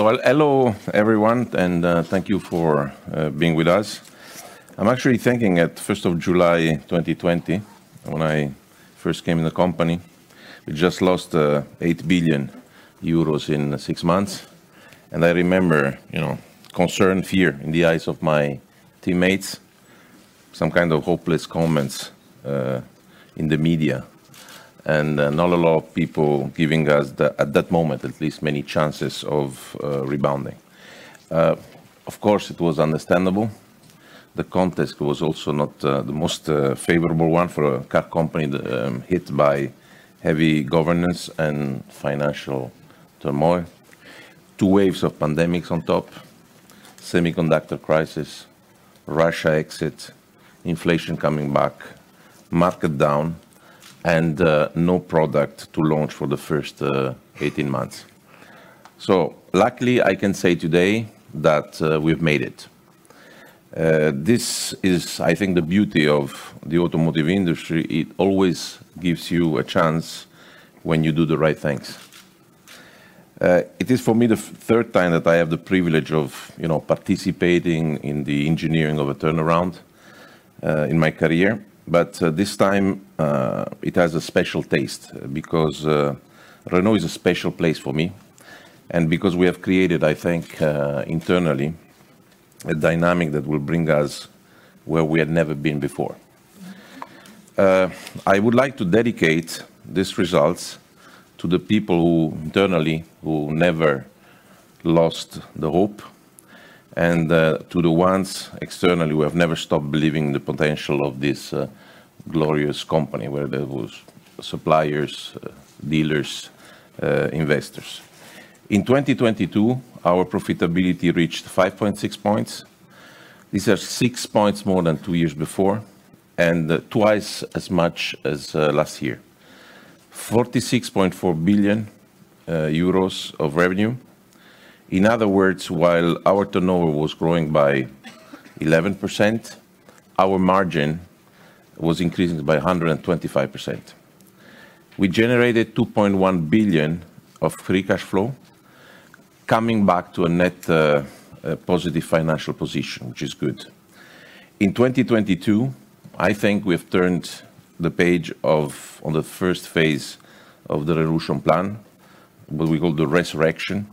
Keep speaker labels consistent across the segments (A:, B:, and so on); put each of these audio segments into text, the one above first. A: Hello everyone, and thank you for being with us. I'm actually thinking at first of July 2020 when I first came in the company. We just lost 8 billion euros in six months. I remember, you know, concern, fear in the eyes of my teammates, some kind of hopeless comments in the media, and not a lot of people giving us the, at that moment, at least, many chances of rebounding. Of course, it was understandable. The context was also not the most favorable one for a car company that hit by heavy governance and financial turmoil. Two waves of pandemics on top, semiconductor crisis, Russia exit, inflation coming back, market down, and no product to launch for the first 18 months. Luckily, I can say today that we've made it. This is, I think, the beauty of the automotive industry. It always gives you a chance when you do the right things. It is for me, the third time that I have the privilege of, you know, participating in the engineering of a turnaround in my career. This time, it has a special taste because Renault is a special place for me. Because we have created, I think, internally, a dynamic that will bring us where we had never been before. I would like to dedicate these results to the people who internally, who never lost the hope, and to the ones externally who have never stopped believing the potential of this glorious company, whether it was suppliers, dealers, investors. In 2022, our profitability reached 5.6 points. These are 6 points more than two years before and twice as much as last year. 46.4 billion euros of revenue. In other words, while our turnover was growing by 11%, our margin was increasing by 125%. We generated 2.1 billion of free cash flow, coming back to a net positive financial position, which is good. In 2022, I think we have turned the page on the first phase of the Renaulution plan, what we call the Resurrection,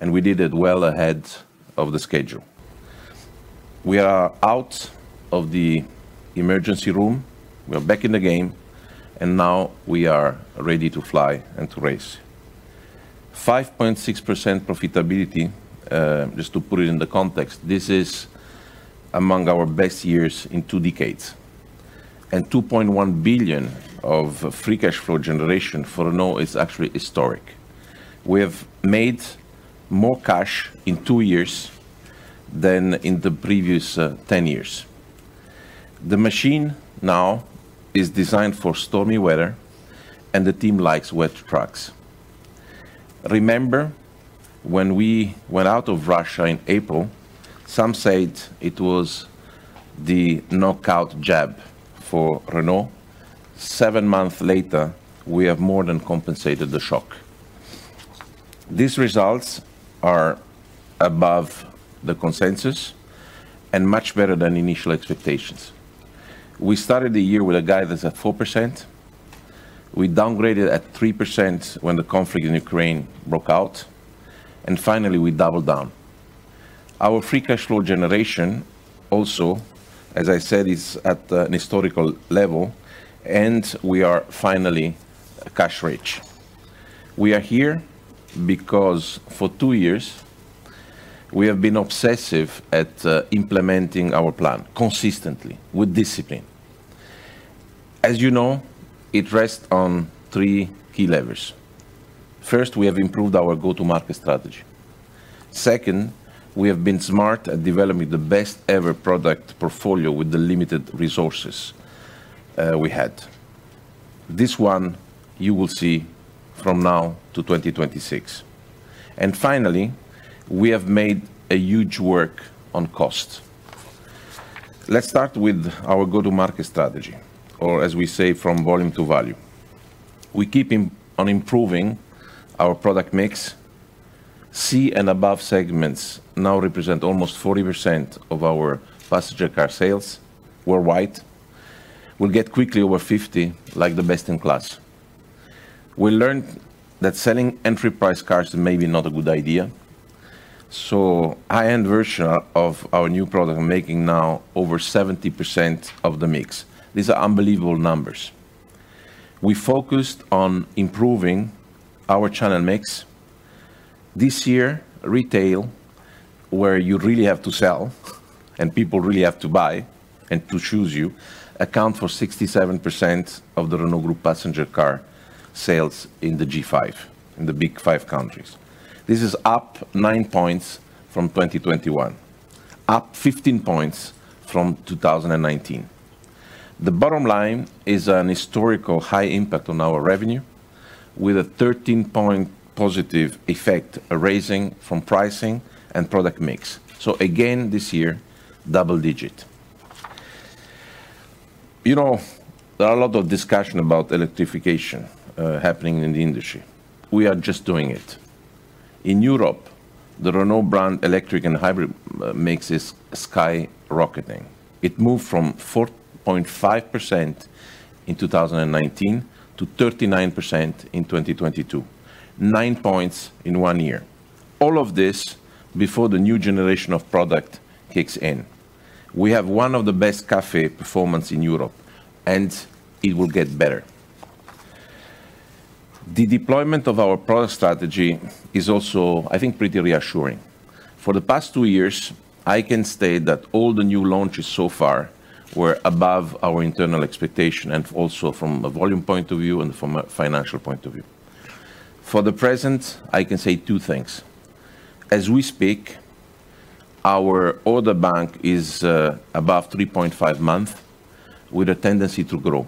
A: and we did it well ahead of the schedule. We are out of the emergency room, we are back in the game, and now we are ready to fly and to race. 5.6% profitability, just to put it in the context, this is among our best years in two decades. 2.1 billion of free cash flow generation for Renault is actually historic. We have made more cash in two years than in the previous 10 years. The machine now is designed for stormy weather, and the team likes wet tracks. Remember when we went out of Russia in April, some said it was the knockout jab for Renault. Seven months later, we have more than compensated the shock. These results are above the consensus and much better than initial expectations. We started the year with a guidance at 4%. We downgraded at 3% when the conflict in Ukraine broke out, and finally, we doubled down. Our free cash flow generation also, as I said, is at an historical level, and we are finally cash rich. We are here because for two years, we have been obsessive at implementing our plan consistently with discipline. As you know, it rests on three key levers. First, we have improved our go-to-market strategy. Second, we have been smart at developing the best ever product portfolio with the limited resources we had. This one you will see from now to 2026. Finally, we have made a huge work on cost. Let's start with our go-to-market strategy, or as we say, from volume to value. We keep on improving our product mix. C and above segments now represent almost 40% of our passenger car sales worldwide. We'll get quickly over 50, like the best in class. We learned that selling entry price cars may be not a good idea, high-end version of our new product making now over 70% of the mix. These are unbelievable numbers. We focused on improving our channel mix. This year, retail, where you really have to sell and people really have to buy and to choose you, account for 67% of the Renault Group passenger car sales in the G5, in the big five countries. This is up 9 points from 2021, up 15 points from 2019. The bottom line is an historical high impact on our revenue with a 13-point positive effect arising from pricing and product mix. Again, this year, double digit. You know, there are a lot of discussion about electrification, happening in the industry. We are just doing it. In Europe, the Renault brand electric and hybrid, makes is skyrocketing. It moved from 4.5% in 2019 to 39% in 2022. 9 points in one year. All of this before the new generation of product kicks in. We have one of the best CAFE performance in Europe, and it will get better. The deployment of our product strategy is also, I think, pretty reassuring. For the past two years, I can state that all the new launches so far were above our internal expectation, and also from a volume point of view and from a financial point of view. For the present, I can say two things. As we speak, our order bank is above 3.5 months, with a tendency to grow.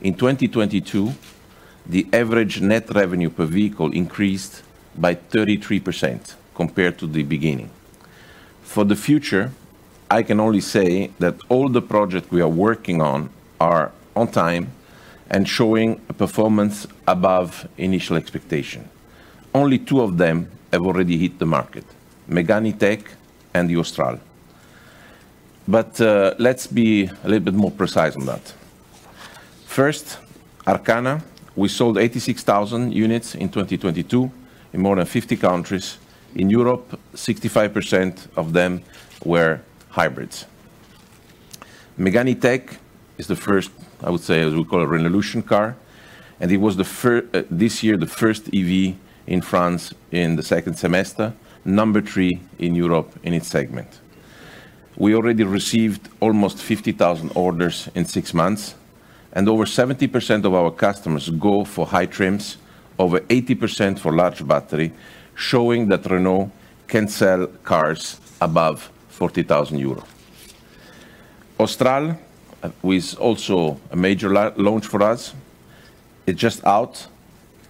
A: In 2022, the average net revenue per vehicle increased by 33% compared to the beginning. For the future, I can only say that all the projects we are working on are on time and showing a performance above initial expectation. Only two of them have already hit the market, Megane E-Tech and the Austral. Let's be a little bit more precise on that. First, Arkana, we sold 86,000 units in 2022 in more than 50 countries. In Europe, 65% of them were hybrids. Megane E-Tech is the first, I would say, as we call a Renaulution car, and it was this year, the first EV in France in the second semester, number three in Europe in its segment. We already received almost 50,000 orders in six months, and over 70% of our customers go for high trims, over 80% for large battery, showing that Renault can sell cars above 40,000 euros. Austral was also a major launch for us. It just out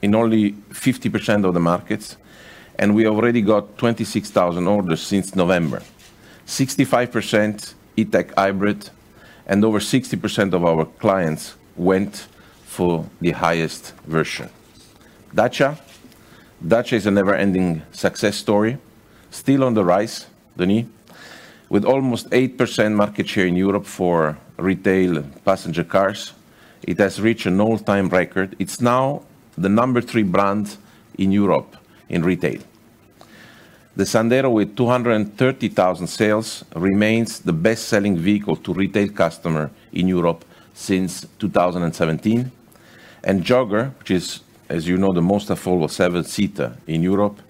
A: in only 50% of the markets, we already got 26,000 orders since November. 65% E-TECH hybrid, over 60% of our clients went for the highest version. Dacia. Dacia is a never-ending success story. Still on the rise, with almost 8% market share in Europe for retail passenger cars. It has reached an all-time record. It's now the number three brand in Europe in retail. The Sandero with 230,000 sales remains the best-selling vehicle to retail customer in Europe since 2017. Jogger, which is, as you know, the most affordable seven-seater in Europe,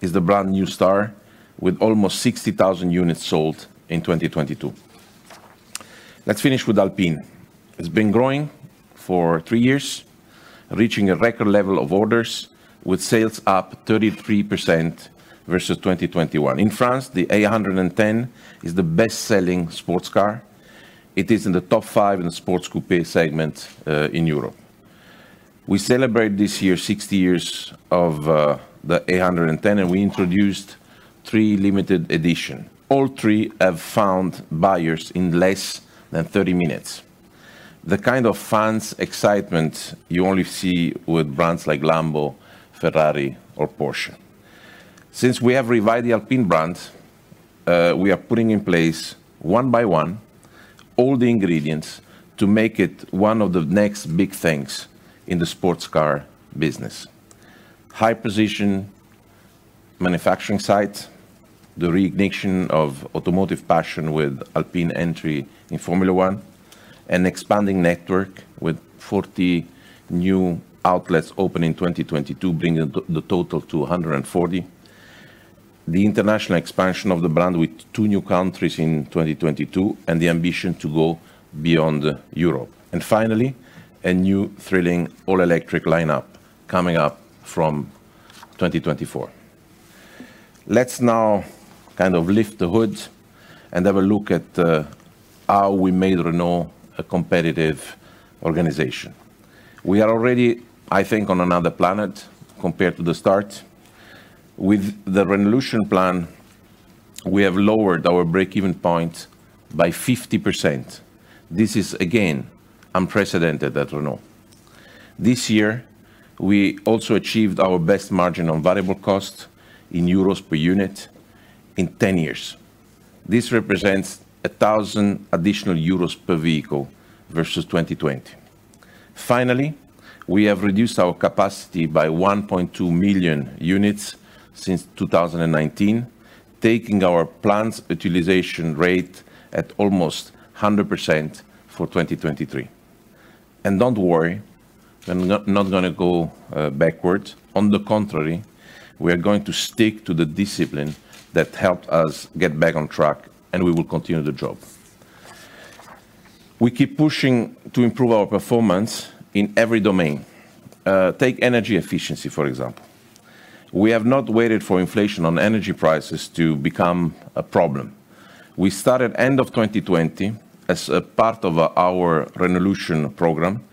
A: is the brand-new star with almost 60,000 units sold in 2022. Let's finish with Alpine. It's been growing for three years, reaching a record level of orders with sales up 33% versus 2021. In France, the A110 is the best-selling sports car. It is in the top 5 in the sports coupe segment in Europe. We celebrate this year 60 years of the A110, and we introduced three limited edition. All three have found buyers in less than 30 minutes. The kind of fans' excitement you only see with brands like Lambo, Ferrari, or Porsche. Since we have revived the Alpine brand, we are putting in place one by one all the ingredients to make it one of the next big things in the sports car business. High position manufacturing sites, the reignition of automotive passion with Alpine entry in Formula 1, an expanding network with 40 new outlets opening in 2022, bringing the total to 240. The international expansion of the brand with two new countries in 2022, the ambition to go beyond Europe. Finally, a new thrilling all-electric lineup coming up from 2024. Let's now kind of lift the hood and have a look at how we made Renault a competitive organization. We are already, I think, on another planet compared to the start. With the Renaulution plan, we have lowered our break-even point by 50%. This is, again, unprecedented at Renault. This year, we also achieved our best margin on variable cost in euros per unit in 10 years. This represents 1,000 additional euros per vehicle versus 2020. Finally, we have reduced our capacity by 1.2 million units since 2019, taking our plant's utilization rate at almost 100% for 2023. Don't worry, we're not gonna go backwards. On the contrary, we are going to stick to the discipline that helped us get back on track, and we will continue the job. We keep pushing to improve our performance in every domain. Take energy efficiency, for example. We have not waited for inflation on energy prices to become a problem. We started end of 2020 as a part of our Renaulution program.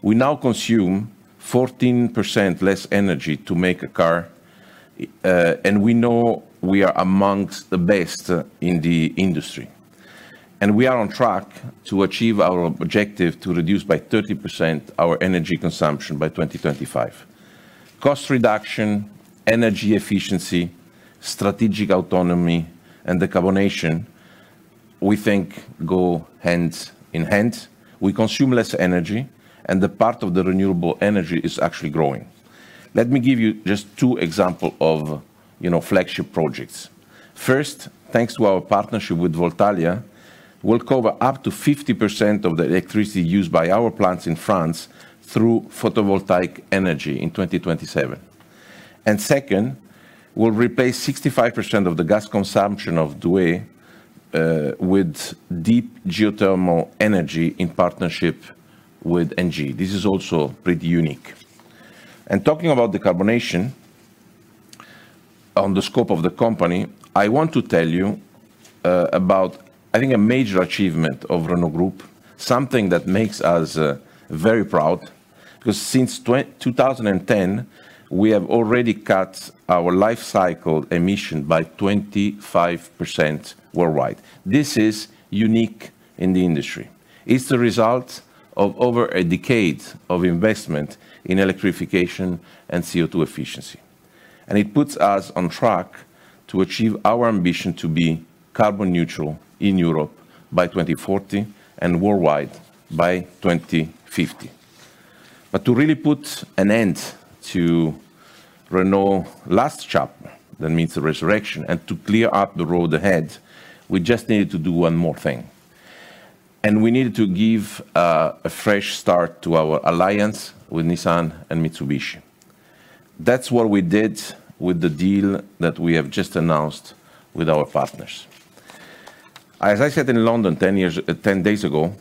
A: We now consume 14% less energy to make a car. We know we are amongst the best in the industry, and we are on track to achieve our objective to reduce by 30% our energy consumption by 2025. Cost reduction, energy efficiency, strategic autonomy, and decarbonation, we think go hand in hand. We consume less energy, and the part of the renewable energy is actually growing. Let me give you just two examples of, you know, flagship projects. First, thanks to our partnership with Voltalia, we'll cover up to 50% of the electricity used by our plants in France through photovoltaic energy in 2027. Second, we'll replace 65% of the gas consumption of Douai with deep geothermal energy in partnership with ENGIE. This is also pretty unique. Talking about decarbonation on the scope of the company, I want to tell you about, I think a major achievement of Renault Group, something that makes us very proud, 'cause since 2010, we have already cut our life cycle emission by 25% worldwide. This is unique in the industry. It's the result of over a decade of investment in electrification and CO2 efficiency. It puts us on track to achieve our ambition to be carbon neutral in Europe by 2040 and worldwide by 2050. To really put an end to Renault last chapter, that meets the Resurrection, to clear up the road ahead, we just needed to do one more thing. We needed to give a fresh start to our alliance with Nissan and Mitsubishi. That's what we did with the deal that we have just announced with our partners. As I said in London 10 years, 10 days ago,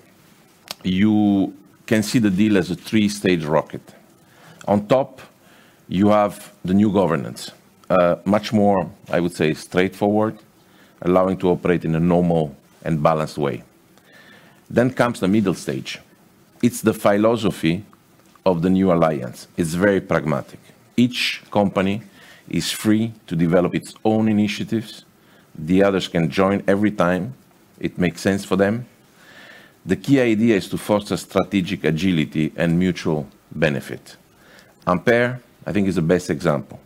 A: you can see the deal as a three-stage rocket. On top, you have the new governance. Much more, I would say, straightforward, allowing to operate in a normal and balanced way. Comes the middle stage. It's the philosophy of the new alliance. It's very pragmatic. Each company is free to develop its own initiatives. The others can join every time it makes sense for them. The key idea is to foster strategic agility and mutual benefit. Ampere, I think, is the best example.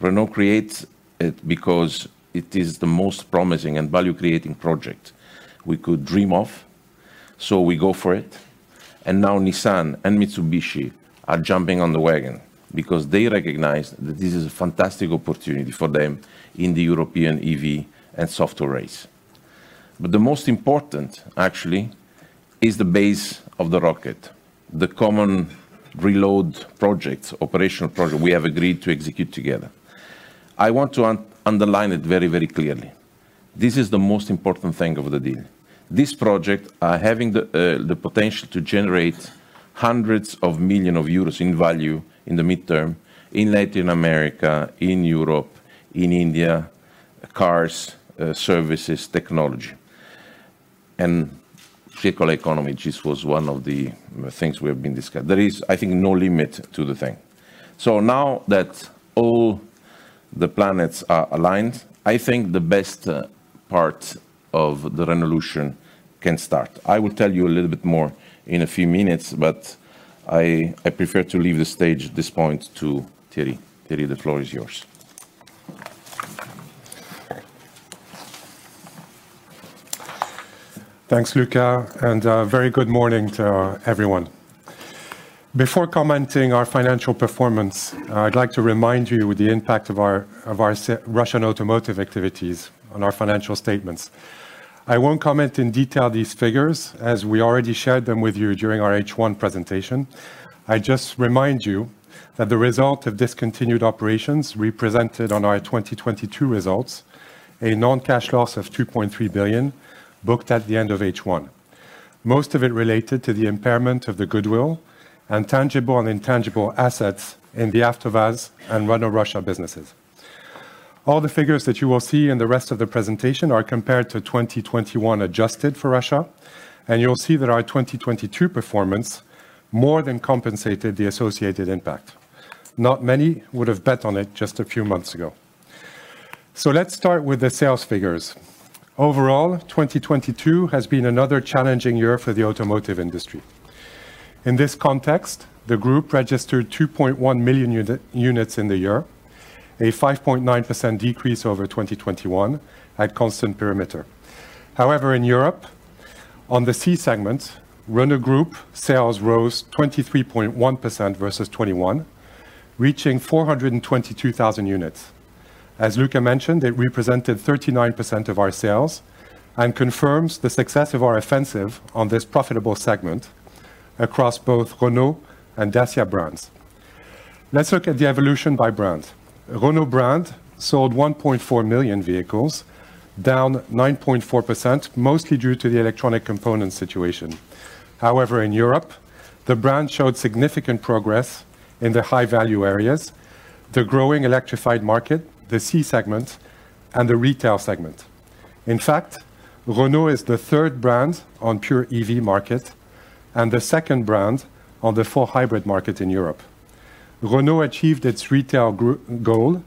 A: Renault creates it because it is the most promising and value-creating project we could dream of. We go for it, and now Nissan and Mitsubishi are jumping on the wagon because they recognize that this is a fantastic opportunity for them in the European EV and software race. The most important, actually, is the base of the rocket, the common reload projects, operational project we have agreed to execute together. I want to un-underline it very, very clearly. This is the most important thing of the deal. These projects are having the potential to generate hundreds of millions of euros in value in the midterm in Latin America, in Europe, in India, cars, services, technology. Circular economy, this was one of the things we have been discussed. There is, I think, no limit to the thing. Now that all the planets are aligned, I think the best part of the Renaulution can start. I will tell you a little bit more in a few minutes, but I prefer to leave the stage at this point to Thierry. Thierry, the floor is yours.
B: Thanks, Luca. Very good morning to everyone. Before commenting our financial performance, I'd like to remind you the impact of our Russian automotive activities on our financial statements. I won't comment in detail these figures, as we already shared them with you during our H1 presentation. I just remind you that the result of discontinued operations represented on our 2022 results a non-cash loss of 2.3 billion booked at the end of H1, most of it related to the impairment of the goodwill and tangible and intangible assets in the Avtovaz and Renault Russia businesses. All the figures that you will see in the rest of the presentation are compared to 2021 adjusted for Russia, and you'll see that our 2022 performance more than compensated the associated impact. Not many would have bet on it just a few months ago. Let's start with the sales figures. Overall, 2022 has been another challenging year for the automotive industry. In this context, the group registered 2.1 million units in the year, a 5.9% decrease over 2021 at constant perimeter. In Europe, on the C segment, Renault Group sales rose 23.1% versus 2021, reaching 422,000 units. As Luca mentioned, it represented 39% of our sales and confirms the success of our offensive on this profitable segment across both Renault and Dacia brands. Let's look at the evolution by brand. Renault brand sold 1.4 million vehicles, down 9.4%, mostly due to the electronic component situation. In Europe, the brand showed significant progress in the high-value areas, the growing electrified market, the C segment, and the retail segment. In fact, Renault is the third brand on pure EV market. The second brand on the full hybrid market in Europe. Renault achieved its retail goal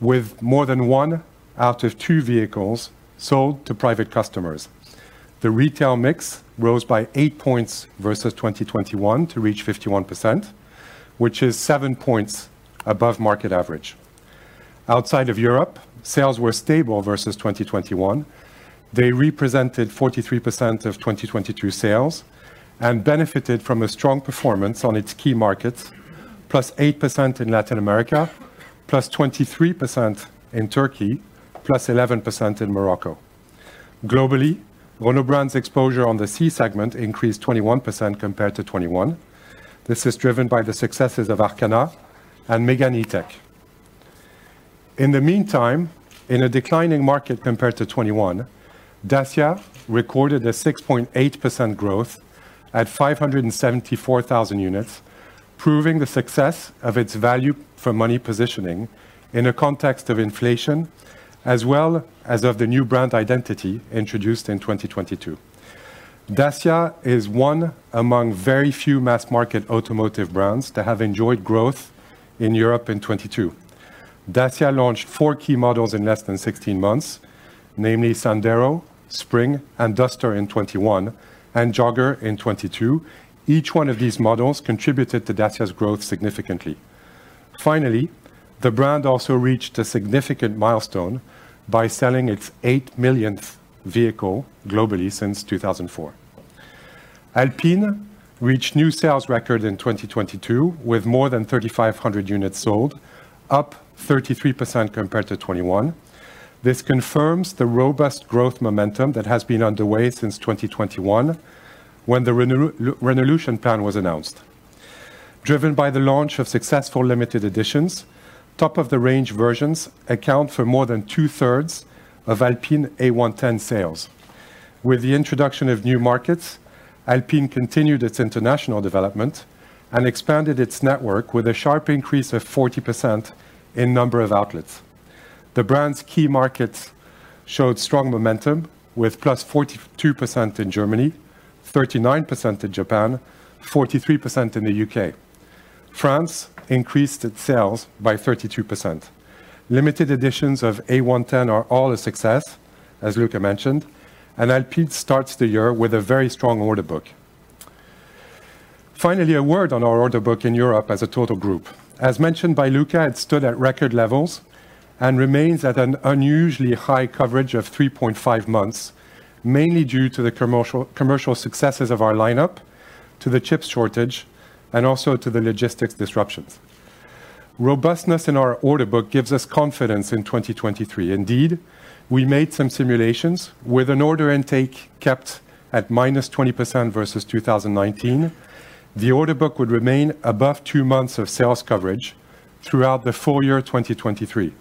B: with more than one out of two vehicles sold to private customers. The retail mix rose by 8 points versus 2021 to reach 51%, which is 7 points above market average. Outside of Europe, sales were stable versus 2021. They represented 43% of 2022 sales and benefited from a strong performance on its key markets, +8% in Latin America, +23% in Turkey, +11% in Morocco. Globally, Renault brand's exposure on the C segment increased 21% compared to 2021. This is driven by the successes of Arkana and Megane E-Tech. In the meantime, in a declining market compared to 2021, Dacia recorded a 6.8% growth at 574,000 units, proving the success of its value for money positioning in a context of inflation, as well as of the new brand identity introduced in 2022. Dacia is one among very few mass market automotive brands to have enjoyed growth in Europe in 2022. Dacia launched four key models in less than 16 months, namely Sandero, Spring, and Duster in 2021, and Jogger in 2022. Each one of these models contributed to Dacia's growth significantly. The brand also reached a significant milestone by selling its 8 millionth vehicle globally since 2004. Alpine reached new sales record in 2022 with more than 3,500 units sold, up 33% compared to 2021. This confirms the robust growth momentum that has been underway since 2021, when the Renaulution plan was announced. Driven by the launch of successful limited editions, top-of-the-range versions account for more than 2/3 of Alpine A110 sales. With the introduction of new markets, Alpine continued its international development and expanded its network with a sharp increase of 40% in number of outlets. The brand's key markets showed strong momentum with +42% in Germany, 39% in Japan, 43% in the U.K. France increased its sales by 32%. Limited editions of A110 are all a success, as Luca mentioned, and Alpine starts the year with a very strong order book. Finally, a word on our order book in Europe as a total group. As mentioned by Luca, it stood at record levels and remains at an unusually high coverage of 3.5 months, mainly due to the commercial successes of our lineup, to the chip shortage, and also to the logistics disruptions. Robustness in our order book gives us confidence in 2023. We made some simulations with an order intake kept at -20% versus 2019. The order book would remain above two months of sales coverage throughout the full year 2023.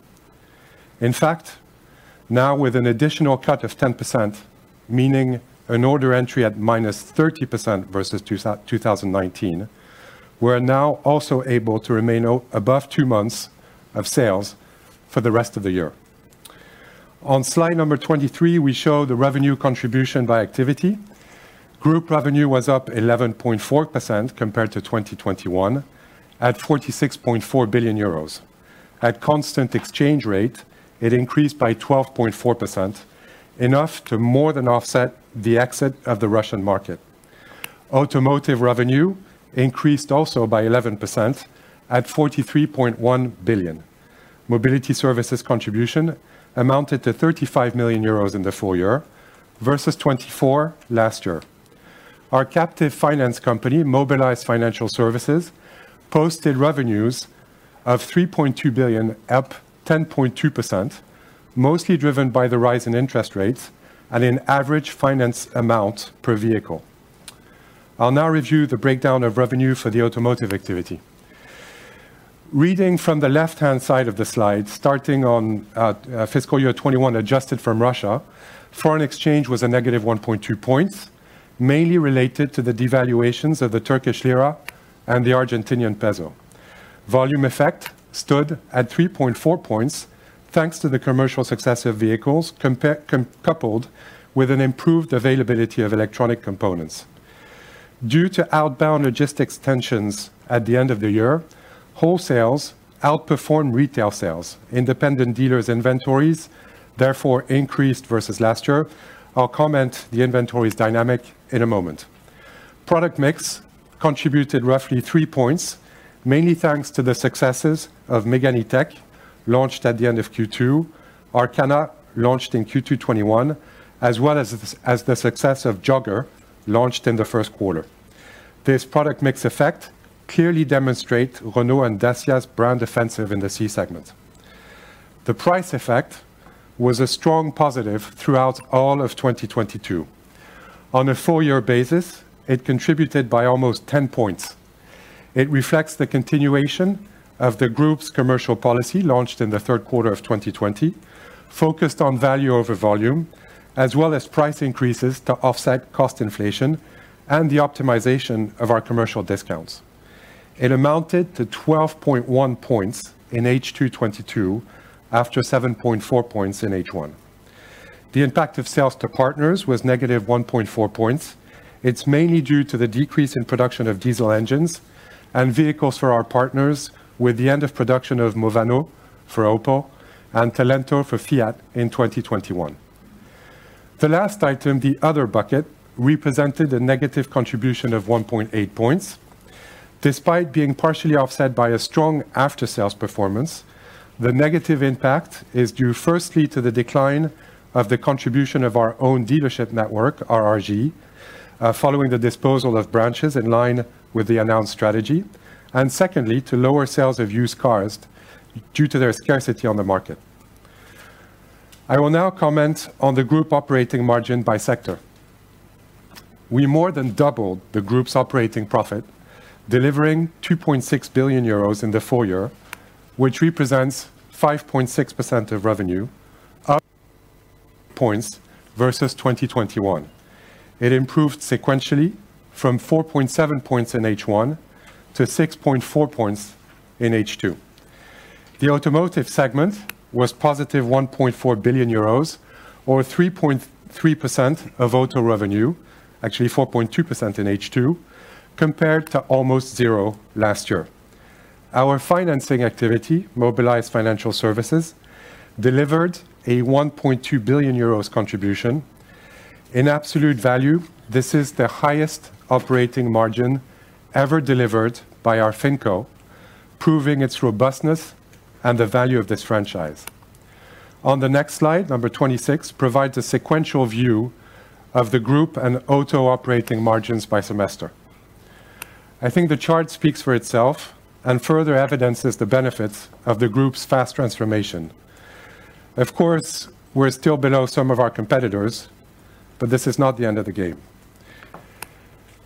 B: Now with an additional cut of 10%, meaning an order entry at -30% versus 2019, we're now also able to remain above two months of sales for the rest of the year. On slide number 23, we show the revenue contribution by activity. Group revenue was up 11.4% compared to 2021 at 46.4 billion euros. At constant exchange rate, it increased by 12.4%, enough to more than offset the exit of the Russian market. Automotive revenue increased also by 11% at 43.1 billion. Mobility services contribution amounted to 35 million euros in the full year versus 24 million last year. Our captive finance company, Mobilize Financial Services, posted revenues of 3.2 billion, up 10.2%, mostly driven by the rise in interest rates and in average finance amount per vehicle. I'll now review the breakdown of revenue for the automotive activity. Reading from the left-hand side of the slide, starting on fiscal year 2021, adjusted from Russia, foreign exchange was a -1.2 points, mainly related to the devaluations of the Turkish lira and the Argentinian peso. Volume effect stood at 3.4 points, thanks to the commercial success of vehicles coupled with an improved availability of electronic components. Due to outbound logistics tensions at the end of the year, wholesales outperformed retail sales. Independent dealers' inventories therefore increased versus last year. I'll comment the inventory's dynamic in a moment. Product mix contributed roughly 3 points, mainly thanks to the successes of Megane E-Tech, launched at the end of Q2, Arkana, launched in Q2 2021, as well as the success of Jogger, launched in the first quarter. This product mix effect clearly demonstrate Renault and Dacia's brand offensive in the C segment. The price effect was a strong positive throughout all of 2022. On a full year basis, it contributed by almost 10 points. It reflects the continuation of the group's commercial policy launched in the third quarter of 2020, focused on value over volume, as well as price increases to offset cost inflation and the optimization of our commercial discounts. It amounted to 12.1 points in H2 2022 after 7.4 points in H1. The impact of sales to partners was -1.4 points. It's mainly due to the decrease in production of diesel engines and vehicles for our partners with the end of production of Movano for Opel and Talento for Fiat in 2021. The last item, the other bucket, represented a negative contribution of 1.8 points. Despite being partially offset by a strong after-sales performance, the negative impact is due firstly to the decline of the contribution of our own dealership network, RRG, following the disposal of branches in line with the announced strategy. Secondly, to lower sales of used cars due to their scarcity on the market. I will now comment on the group operating margin by sector. We more than doubled the group's operating profit, delivering 2.6 billion euros in the full year, which represents 5.6% of revenue, up points versus 2021. It improved sequentially from 4.7 points in H1 to 6.4 points in H2. The automotive segment was positive 1.4 billion euros or 3.3% of auto revenue, actually 4.2% in H2, compared to almost zero last year. Our financing activity, Mobilize Financial Services, delivered a 1.2 billion euros contribution. In absolute value, this is the highest operating margin ever delivered by our FinCo, proving its robustness and the value of this franchise. On the next slide, number 26, provides a sequential view of the group and auto operating margins by semester. I think the chart speaks for itself and further evidences the benefits of the group's fast transformation. Of course, we're still below some of our competitors, but this is not the end of the game.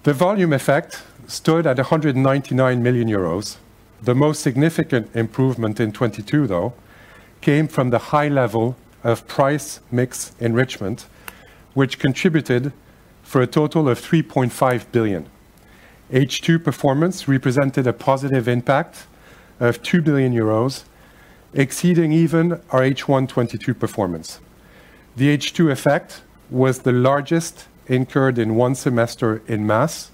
B: The volume effect stood at 199 million euros. The most significant improvement in 2022, though, came from the high level of price mix enrichment, which contributed for a total of 3.5 billion. H2 performance represented a positive impact of 2 billion euros, exceeding even our H1 2022 performance. The H2 effect was the largest incurred in one semester in mass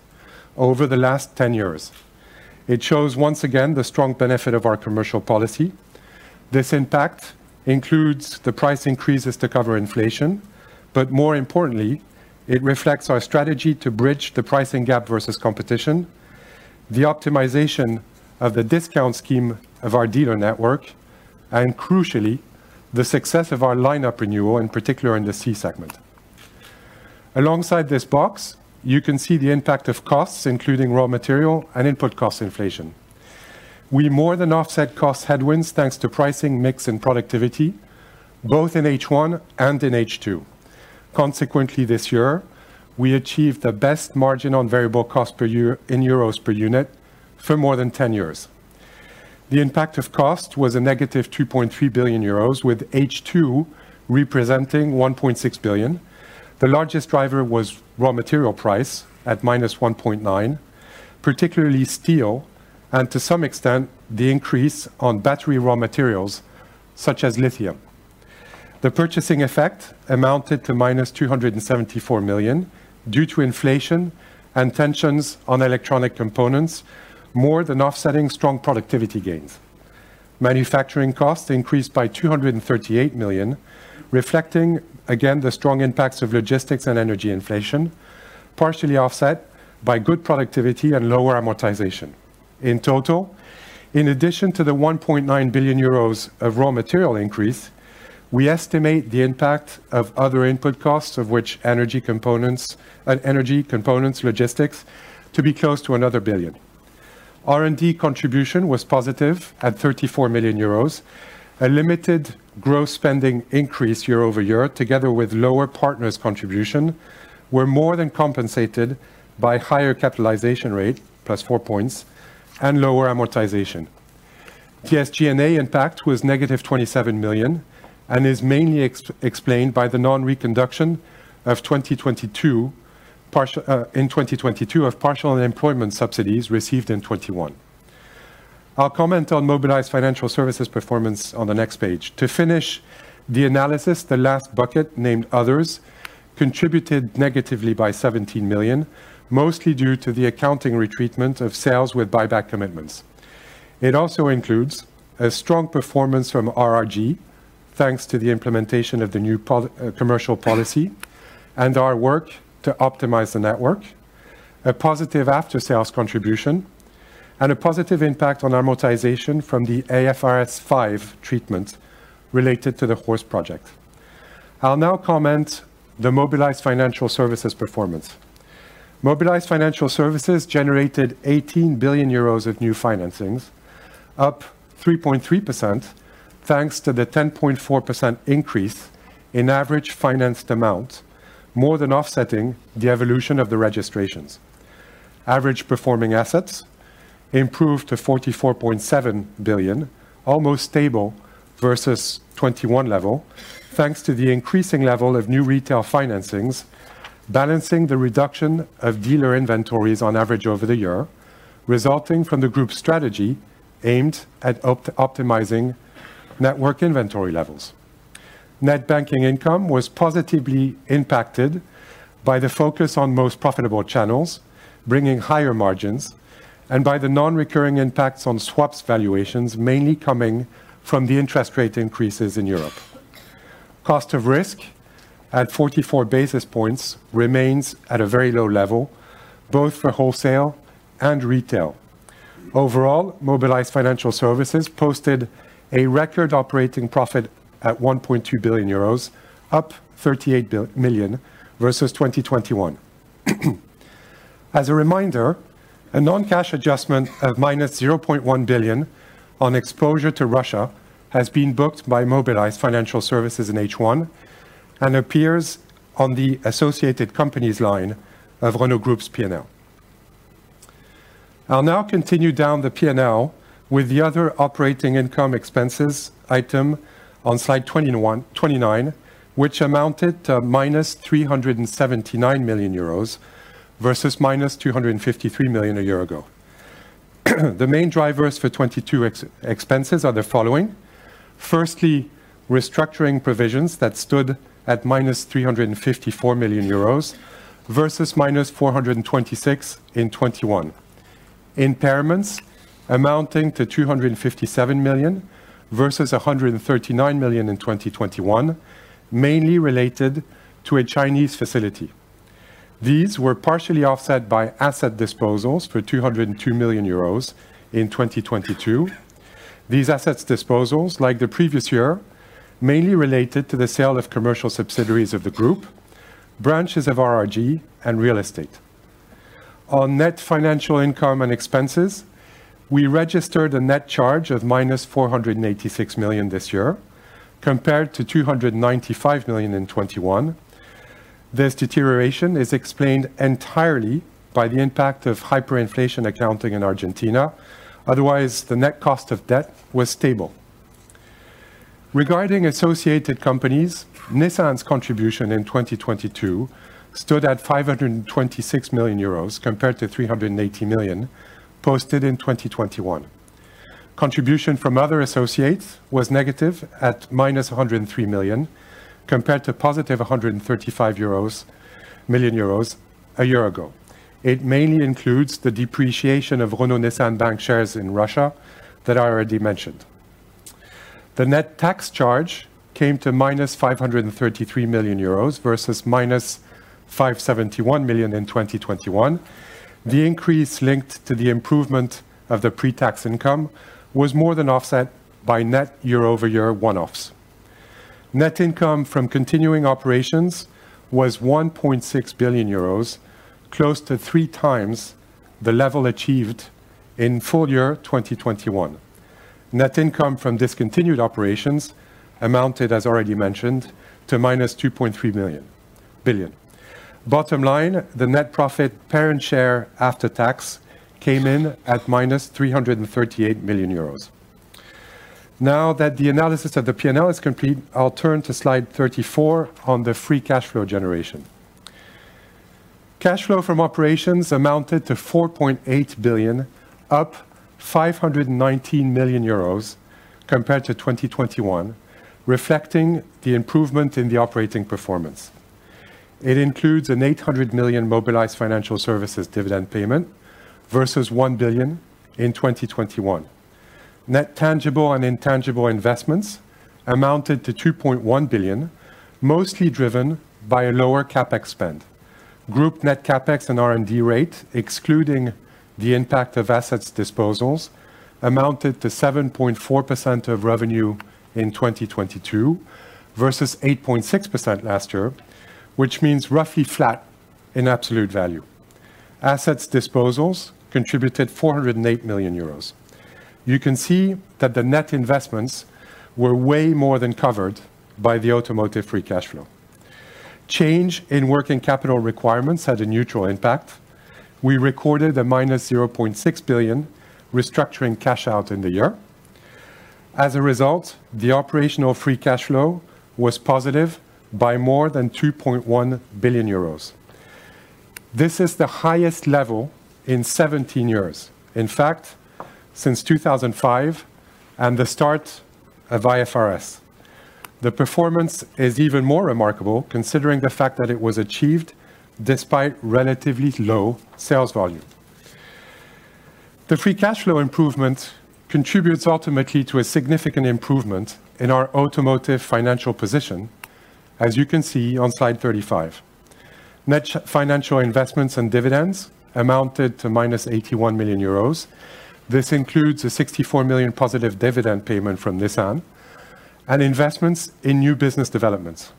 B: over the last 10 years. It shows once again the strong benefit of our commercial policy. This impact includes the price increases to cover inflation. More importantly, it reflects our strategy to bridge the pricing gap versus competition, the optimization of the discount scheme of our dealer network. Crucially, the success of our lineup renewal, in particular in the C segment. Alongside this box, you can see the impact of costs, including raw material and input cost inflation. We more than offset cost headwinds thanks to pricing, mix, and productivity, both in H1 and in H2. This year, we achieved the best margin on variable cost per year in euros per unit for more than 10 years. The impact of cost was a -2.3 billion euros, with H2 representing 1.6 billion. The largest driver was raw material price at -1.9 billion, particularly steel, and to some extent, the increase on battery raw materials such as lithium. The purchasing effect amounted to -274 million due to inflation and tensions on electronic components, more than offsetting strong productivity gains. Manufacturing costs increased by 238 million, reflecting again the strong impacts of logistics and energy inflation, partially offset by good productivity and lower amortization. In total, in addition to the 1.9 billion euros of raw material increase, we estimate the impact of other input costs of which energy components, logistics to be close to another 1 billion. R&D contribution was positive at 34 million euros. A limited gross spending increase year-over-year, together with lower partners' contribution, were more than compensated by higher capitalization rate, +4 points, and lower amortization. SG&A impact was -27 million and is mainly explained by the non-reconduction of 2022, partial, in 2022 of partial unemployment subsidies received in 2021. I'll comment on Mobilize Financial Services performance on the next page. To finish the analysis, the last bucket, named Others, contributed negatively by 17 million, mostly due to the accounting retreatment of sales with buyback commitments. It also includes a strong performance from RRG, thanks to the implementation of the new commercial policy and our work to optimize the network, a positive after-sales contribution, and a positive impact on amortization from the IFRS 5 treatment related to the HORSE project. I'll now comment the Mobilize Financial Services performance. Mobilize Financial Services generated 18 billion euros of new financings, up 3.3% thanks to the 10.4% increase in average financed amount, more than offsetting the evolution of the registrations. Average performing assets improved to 44.7 billion, almost stable versus 2021 level, thanks to the increasing level of new retail financings, balancing the reduction of dealer inventories on average over the year, resulting from the group's strategy aimed at optimizing network inventory levels. Net banking income was positively impacted by the focus on most profitable channels, bringing higher margins, and by the non-recurring impacts on swaps valuations, mainly coming from the interest rate increases in Europe. Cost of risk at 44 basis points remains at a very low level, both for wholesale and retail. Overall, Mobilize Financial Services posted a record operating profit at 1.2 billion euros, up 38 million versus 2021. As a reminder, a non-cash adjustment of -0.1 billion on exposure to Russia has been booked by Mobilize Financial Services in H1 and appears on the associated companies line of Renault Group's P&L. I'll now continue down the P&L with the other operating income expenses item on slide 29, which amounted to -379 million euros versus -253 million a year ago. The main drivers for 2022 expenses are the following. Firstly, restructuring provisions that stood at -354 million euros versus -426 million in 2021. Impairments amounting to 257 million versus 139 million in 2021, mainly related to a Chinese facility. These were partially offset by asset disposals for 202 million euros in 2022. These assets disposals, like the previous year, mainly related to the sale of commercial subsidiaries of the group, branches of RRG and real estate. On net financial income and expenses, we registered a net charge of -486 million this year, compared to 295 million in 2021. This deterioration is explained entirely by the impact of hyperinflation accounting in Argentina. Otherwise, the net cost of debt was stable. Regarding associated companies, Nissan's contribution in 2022 stood at 526 million euros, compared to 380 million posted in 2021. Contribution from other associates was negative at -103 million, compared to +135 million euros a year ago. It mainly includes the depreciation of Renault Nissan Bank shares in Russia that I already mentioned. The net tax charge came to -533 million euros versus -571 million in 2021. The increase linked to the improvement of the pre-tax income was more than offset by net year-over-year one-offs. Net income from continuing operations was 1.6 billion euros, close to three times the level achieved in full year 2021. Net income from discontinued operations amounted, as already mentioned, to -2.3 billion. Bottom line, the net profit parent share after tax came in at -338 million euros. Now that the analysis of the P&L is complete, I'll turn to slide 34 on the free cash flow generation. Cash flow from operations amounted to 4.8 billion, up 519 million euros compared to 2021, reflecting the improvement in the operating performance. It includes an 800 million Mobilize Financial Services dividend payment versus 1 billion in 2021. Net tangible and intangible investments amounted to 2.1 billion, mostly driven by a lower CapEx spend. Group net CapEx and R&D rate, excluding the impact of assets disposals, amounted to 7.4% of revenue in 2022 versus 8.6% last year, which means roughly flat in absolute value. Assets disposals contributed 408 million euros. You can see that the net investments were way more than covered by the automotive free cash flow. Change in working capital requirements had a neutral impact. We recorded a -0.6 billion restructuring cash out in the year. As a result, the operational free cash flow was positive by more than 2.1 billion euros. This is the highest level in 17 years, in fact, since 2005 and the start of IFRS. The performance is even more remarkable considering the fact that it was achieved despite relatively low sales volume. The free cash flow improvement contributes ultimately to a significant improvement in our automotive financial position, as you can see on slide 35. Net financial investments and dividends amounted to -81 million euros. This includes a 64 million positive dividend payment from Nissan and investments in new business developments.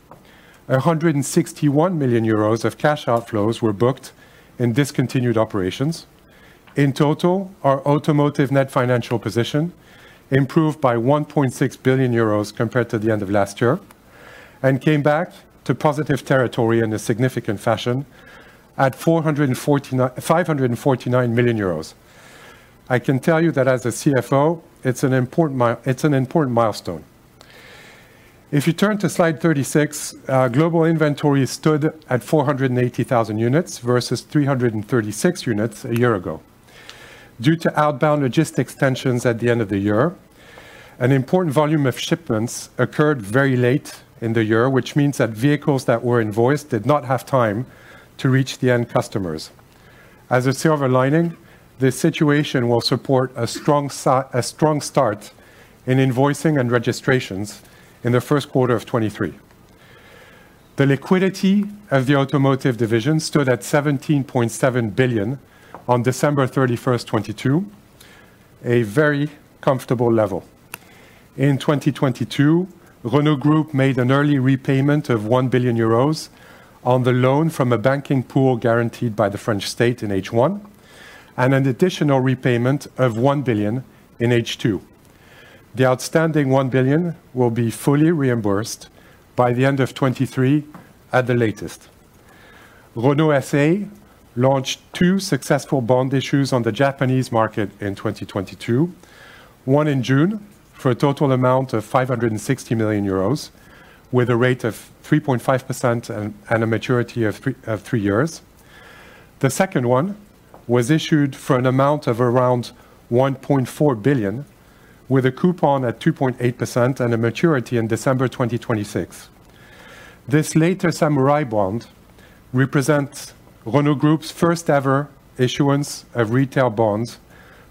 B: 161 million euros of cash outflows were booked in discontinued operations. In total, our automotive net financial position improved by 1.6 billion euros compared to the end of last year and came back to positive territory in a significant fashion at 549 million euros. I can tell you that as a CFO, it's an important milestone. If you turn to slide 36, global inventory stood at 480,000 units versus 336,000 units a year ago. Due to outbound logistics tensions at the end of the year, an important volume of shipments occurred very late in the year, which means that vehicles that were invoiced did not have time to reach the end customers. As a silver lining, this situation will support a strong start in invoicing and registrations in the first quarter of 2023. The liquidity of the automotive division stood at 17.7 billion on December 31st, 2022, a very comfortable level. In 2022, Renault Group made an early repayment of 1 billion euros on the loan from a banking pool guaranteed by the French state in H1, and an additional repayment of 1 billion in H2. The outstanding 1 billion will be fully reimbursed by the end of 2023 at the latest. Renault SA launched two successful bond issues on the Japanese market in 2022. One in June for a total amount of 560 million euros with a rate of 3.5% and a maturity of three years. The second one was issued for an amount of around 1.4 billion with a coupon at 2.8% and a maturity in December 2026. This later Samurai bond represents Renault Group's first ever issuance of retail bonds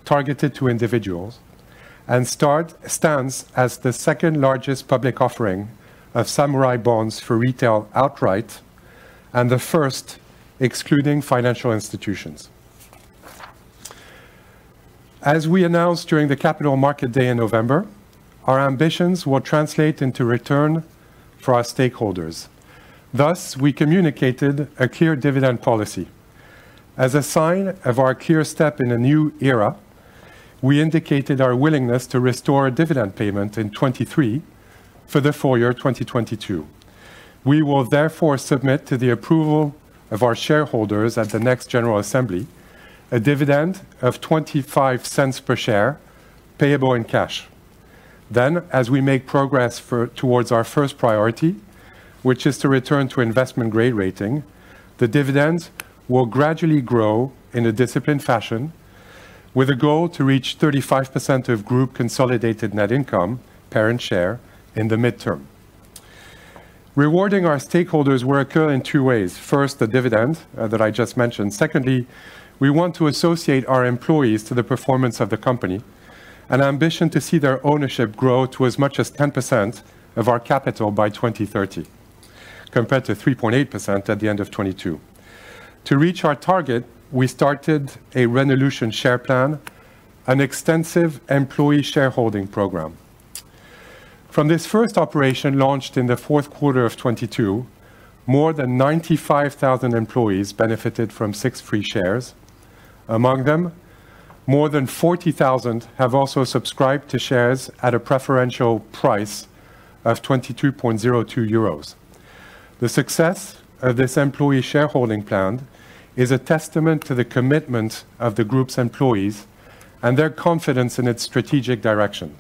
B: targeted to individuals and stands as the second-largest public offering of Samurai bonds for retail outright, and the first excluding financial institutions. As we announced during the Capital Markets Day in November, our ambitions will translate into return for our stakeholders. Thus, we communicated a clear dividend policy. As a sign of our clear step in a new era, we indicated our willingness to restore a dividend payment in 2023 for the full year 2022. We will therefore submit to the approval of our shareholders at the next general assembly a dividend of 0.25 per share, payable in cash. As we make progress towards our first priority, which is to return to investment grade rating, the dividend will gradually grow in a disciplined fashion with a goal to reach 35% of group consolidated net income per share in the midterm. Rewarding our stakeholders will occur in two ways. First, the dividend that I just mentioned. Secondly, we want to associate our employees to the performance of the company, an ambition to see their ownership grow to as much as 10% of our capital by 2030 compared to 3.8% at the end of 2022. To reach our target, we started a Renaulution Shareplan, an extensive employee shareholding program. From this first operation launched in the fourth quarter of 2022, more than 95,000 employees benefited from six free shares. Among them, more than 40,000 have also subscribed to shares at a preferential price of 22.02 euros. The success of this employee shareholding plan is a testament to the commitment of the group's employees and their confidence in its strategic direction.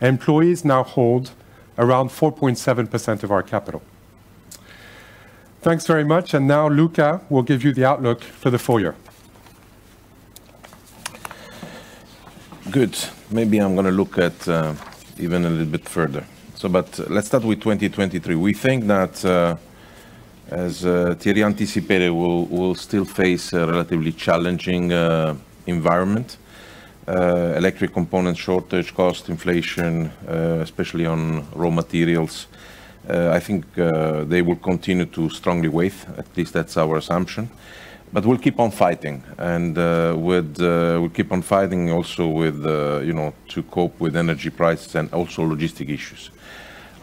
B: Employees now hold around 4.7% of our capital. Thanks very much. Now Luca will give you the outlook for the full year.
A: Good. Maybe I'm gonna look at even a little bit further. Let's start with 2023. We think that as Thierry anticipated, we'll still face a relatively challenging environment. Electric component shortage, cost inflation, especially on raw materials, I think, they will continue to strongly weigh. At least that's our assumption. We'll keep on fighting and with. We'll keep on fighting also with, you know, to cope with energy prices and also logistic issues.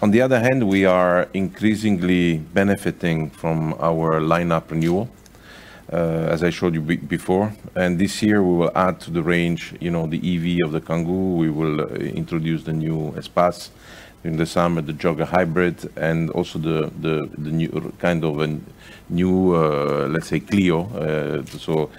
A: On the other hand, we are increasingly benefiting from our lineup renewal, as I showed you before. This year, we will add to the range, you know, the EV of the Kangoo. We will introduce the new Espace in the summer, the Jogger hybrid, and also the new kind of a new, let's say, Clio. So,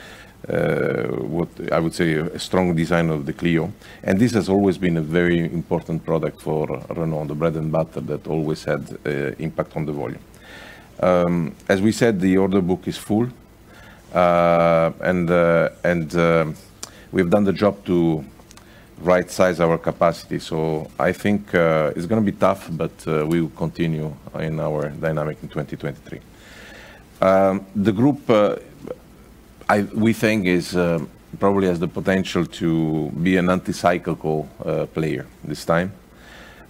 A: what I would say a strong design of the Clio. This has always been a very important product for Renault, the bread and butter that always had impact on the volume. As we said, the order book is full. We've done the job to rightsize our capacity. I think it's gonna be tough, but we will continue in our dynamic in 2023. The group we think is probably has the potential to be an anti-cyclical player this time.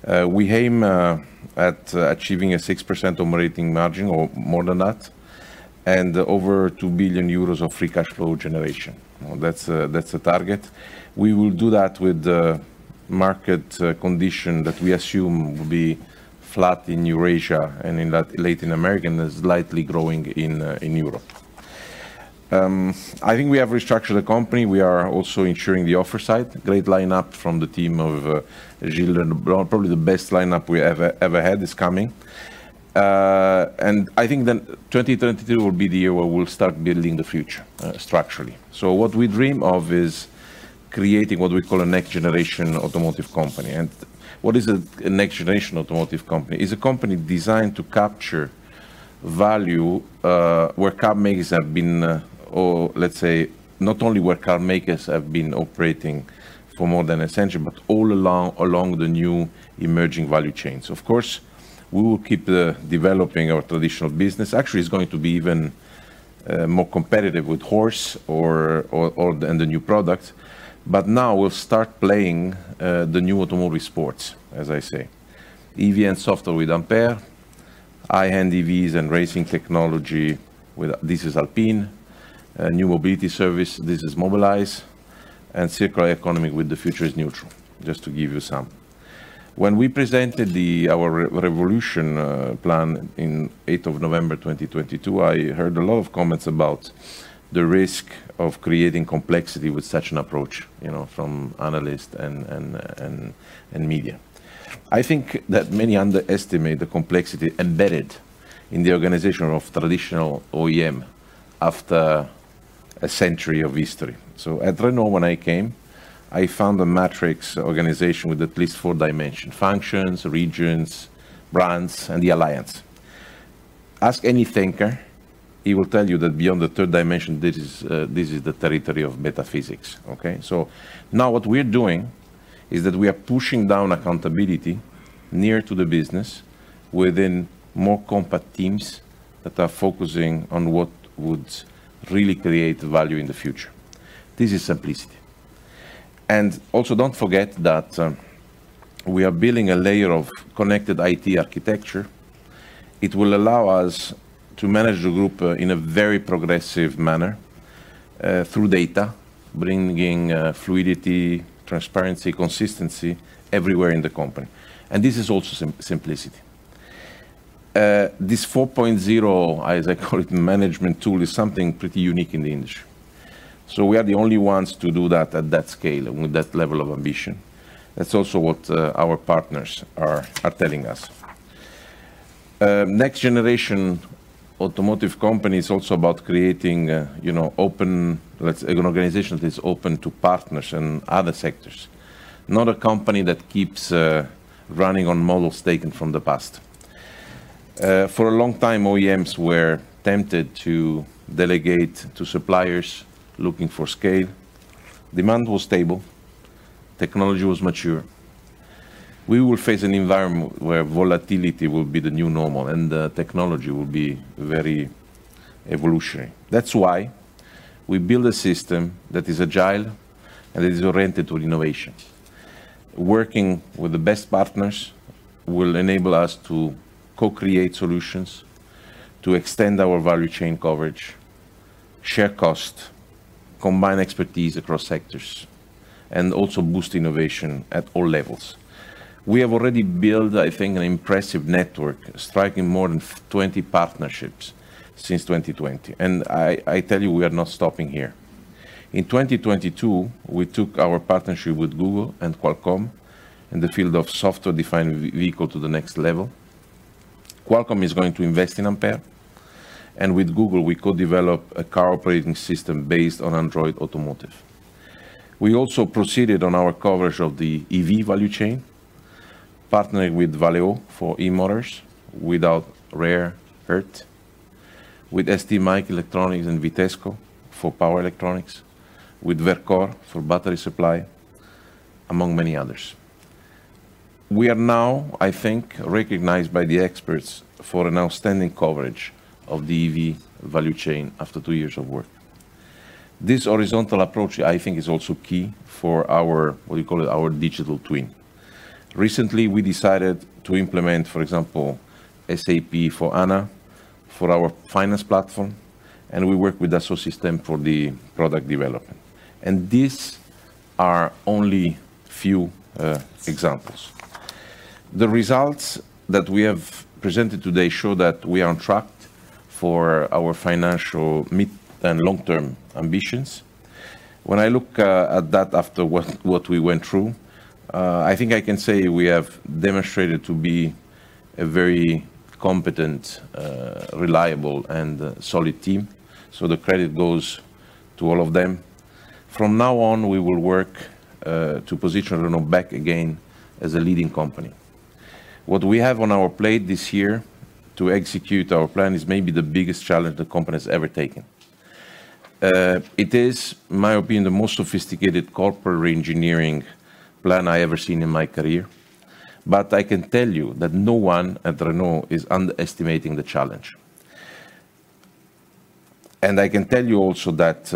A: We aim at achieving a 6% operating margin or more than that and over 2 billion euros of free cash flow generation. You know, that's a target. We will do that with the market condition that we assume will be flat in Eurasia and in Latin America and slightly growing in Europe. I think we have restructured the company. We are also ensuring the offer side. Great lineup from the team of Gilles and probably the best lineup we ever had is coming. I think then 2022 will be the year where we'll start building the future structurally. What we dream of is creating what we call a next generation automotive company. What is a next generation automotive company? Is a company designed to capture value, where car makers have been, or let's say, not only where car makers have been operating for more than a century, but all along the new emerging value chains. Of course, we will keep the developing our traditional business. Actually, it's going to be even more competitive with HORSE and the new product. We'll start playing the new automotive sports, as I say. EV and software with Ampere, high-end EVs and racing technology with, this is Alpine. New mobility service, this is Mobilize. Circular economy with The Future Is NEUTRAL, just to give you some. When we presented our Renaulution plan in 8th of November 2022, I heard a lot of comments about the risk of creating complexity with such an approach, you know, from analysts and media. I think that many underestimate the complexity embedded in the organization of traditional OEM after a century of history. At Renault, when I came, I found a matrix organization with at least four dimensions: functions, regions, brands, and the alliance. Ask any thinker, he will tell you that beyond the third dimension, this is, this is the territory of metaphysics. What we're doing is that we are pushing down accountability near to the business within more compact teams that are focusing on what would really create value in the future. This is simplicity. Don't forget that we are building a layer of connected IT architecture. It will allow us to manage the Group in a very progressive manner through data, bringing fluidity, transparency, consistency everywhere in the company. This is also simplicity. This 4.0, as I call it, management tool, is something pretty unique in the industry. We are the only ones to do that at that scale and with that level of ambition. That's also what our partners are telling us. Next generation automotive company is also about creating, you know, an organization that is open to partners and other sectors, not a company that keeps running on models taken from the past. For a long time, OEMs were tempted to delegate to suppliers looking for scale. Demand was stable. Technology was mature. We will face an environment where volatility will be the new normal, and the technology will be very evolutionary. That's why we build a system that is agile and is oriented to innovations. Working with the best partners will enable us to co-create solutions to extend our value chain coverage, share cost, combine expertise across sectors, and also boost innovation at all levels. We have already built, I think, an impressive network, striking more than 20 partnerships since 2020. I tell you, we are not stopping here. In 2022, we took our partnership with Google and Qualcomm in the field of Software Defined Vehicle to the next level. Qualcomm is going to invest in Ampere. With Google, we could develop a car operating system based on Android Automotive. We also proceeded on our coverage of the EV value chain, partnering with Valeo for e-motors without rare earth, with STMicroelectronics and Vitesco for power electronics, with Verkor for battery supply, among many others. We are now, I think, recognized by the experts for an outstanding coverage of the EV value chain after two years of work. This horizontal approach, I think, is also key for our, what we call it, our Digital Twin. Recently, we decided to implement, for example, SAP S/4HANA, for our finance platform. We work with Dassault Systèmes for the product development. These are only few examples. The results that we have presented today show that we are on track for our financial mid and long-term ambitions. When I look at that after what we went through, I think I can say we have demonstrated to be a very competent, reliable, and solid team. The credit goes to all of them. From now on, we will work to position Renault back again as a leading company. What we have on our plate this year to execute our plan is maybe the biggest challenge the company has ever taken. It is, in my opinion, the most sophisticated corporate reengineering plan I ever seen in my career. I can tell you that no one at Renault is underestimating the challenge. I can tell you also that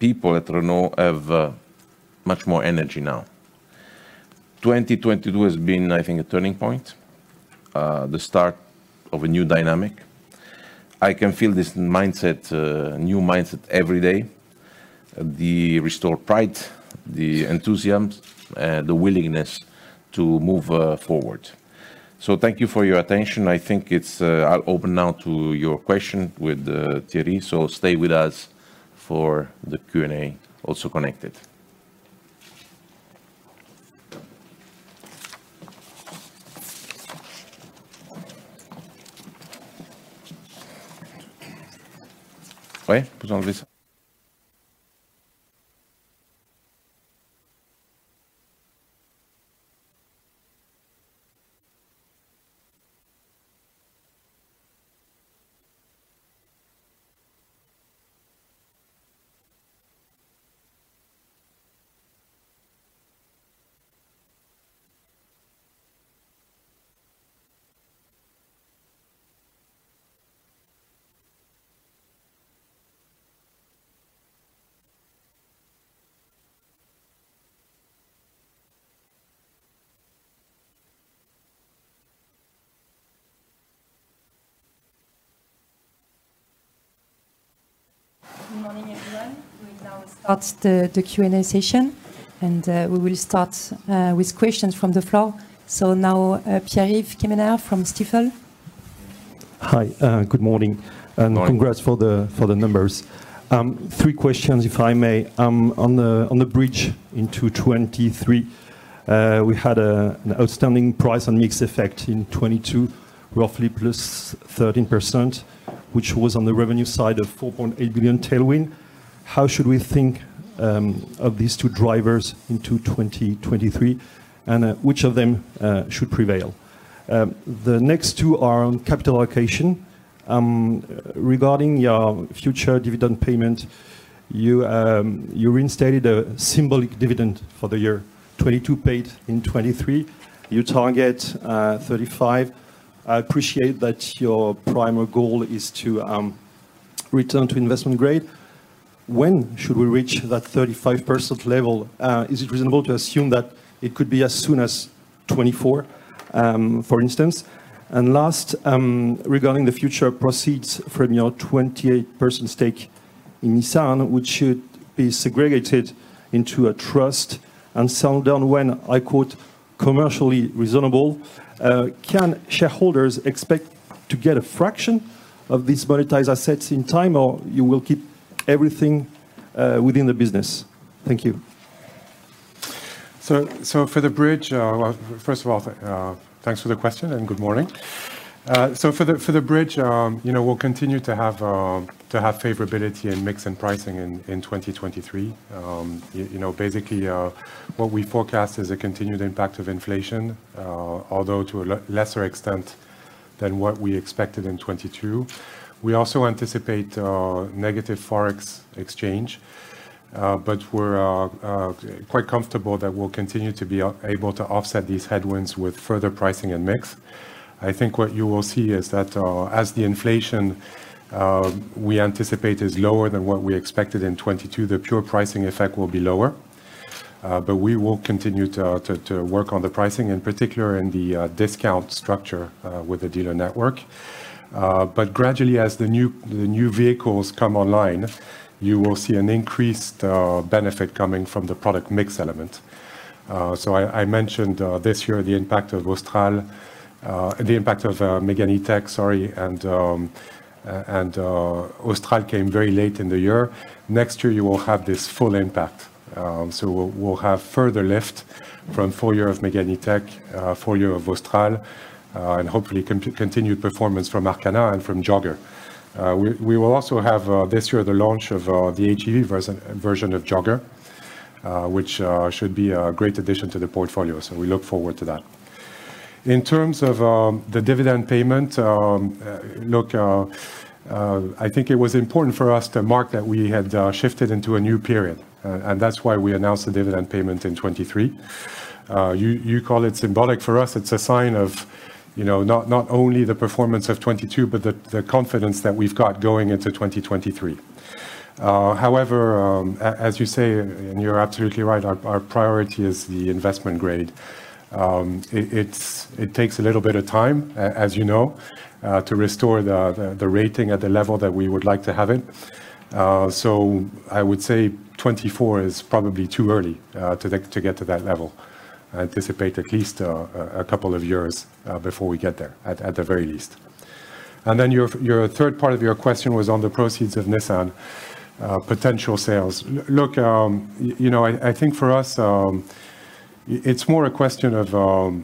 A: people at Renault have much more energy now. 2022 has been, I think, a turning point. The start of a new dynamic. I can feel this mindset, new mindset every day. The restored pride, the enthusiasm, the willingness to move forward. Thank you for your attention. I think it's, I'll open now to your question with Thierry. Stay with us for the Q&A, also connected.
C: Good morning, everyone. We now start the Q&A session, and we will start with questions from the floor. Now, Pierre-Yves Quémener from Stifel.
D: Hi. Good morning.
A: Hi.
D: Congrats for the numbers. THree questions if I may. On the bridge into 2023, we had an outstanding price on mixed effect in 2022, roughly +13%, which was on the revenue side of 4.8 billion tailwind. How should we think of these two drivers into 2023, which of them should prevail? The next two are on capital allocation. Regarding your future dividend payment, you reinstated a symbolic dividend for the year 2022 paid in 2023. You target 35%. I appreciate that your primary goal is to return to investment grade. When should we reach that 35% level? Is it reasonable to assume that it could be as soon as 2024, for instance? Last, regarding the future proceeds from your 28% stake in Nissan, which should be segregated into a trust and sell down when I quote, "commercially reasonable." Can shareholders expect to get a fraction of these monetized assets in time, or you will keep everything within the business? Thank you.
B: For the bridge, first of all, thanks for the question and good morning. For the bridge, you know, we'll continue to have favorability in mix and pricing in 2023. You know, basically, what we forecast is a continued impact of inflation, although to a lesser extent than what we expected in 2022. We also anticipate negative Forex exchange, we're quite comfortable that we'll continue to be able to offset these headwinds with further pricing and mix. I think what you will see is that as the inflation we anticipate is lower than what we expected in 2022, the pure pricing effect will be lower. We will continue to work on the pricing, in particular in the discount structure, with the dealer network. Gradually, as the new vehicles come online, you will see an increased benefit coming from the product mix element. I mentioned this year the impact of Austral, the impact of Megane E-Tech, sorry, and Austral came very late in the year. Next year, you will have this full impact. We'll have further lift from full year of Megane E-Tech, full year of Austral, and hopefully continued performance from Arkana and from Jogger. We will also have this year the launch of the HEV version of Jogger, which should be a great addition to the portfolio. We look forward to that. In terms of the dividend payment, I think it was important for us to mark that we had shifted into a new period. That's why we announced the dividend payment in 2023. You call it symbolic. For us, it's a sign of, you know, not only the performance of 2022, but the confidence that we've got going into 2023. However, as you say, and you're absolutely right, our priority is the investment grade. It takes a little bit of time, as you know, to restore the rating at the level that we would like to have it. I would say 2024 is probably too early to get to that level. I anticipate at least a couple of years before we get there, at the very least. Your third part of your question was on the proceeds of Nissan potential sales. You know, I think for us, it's more a question of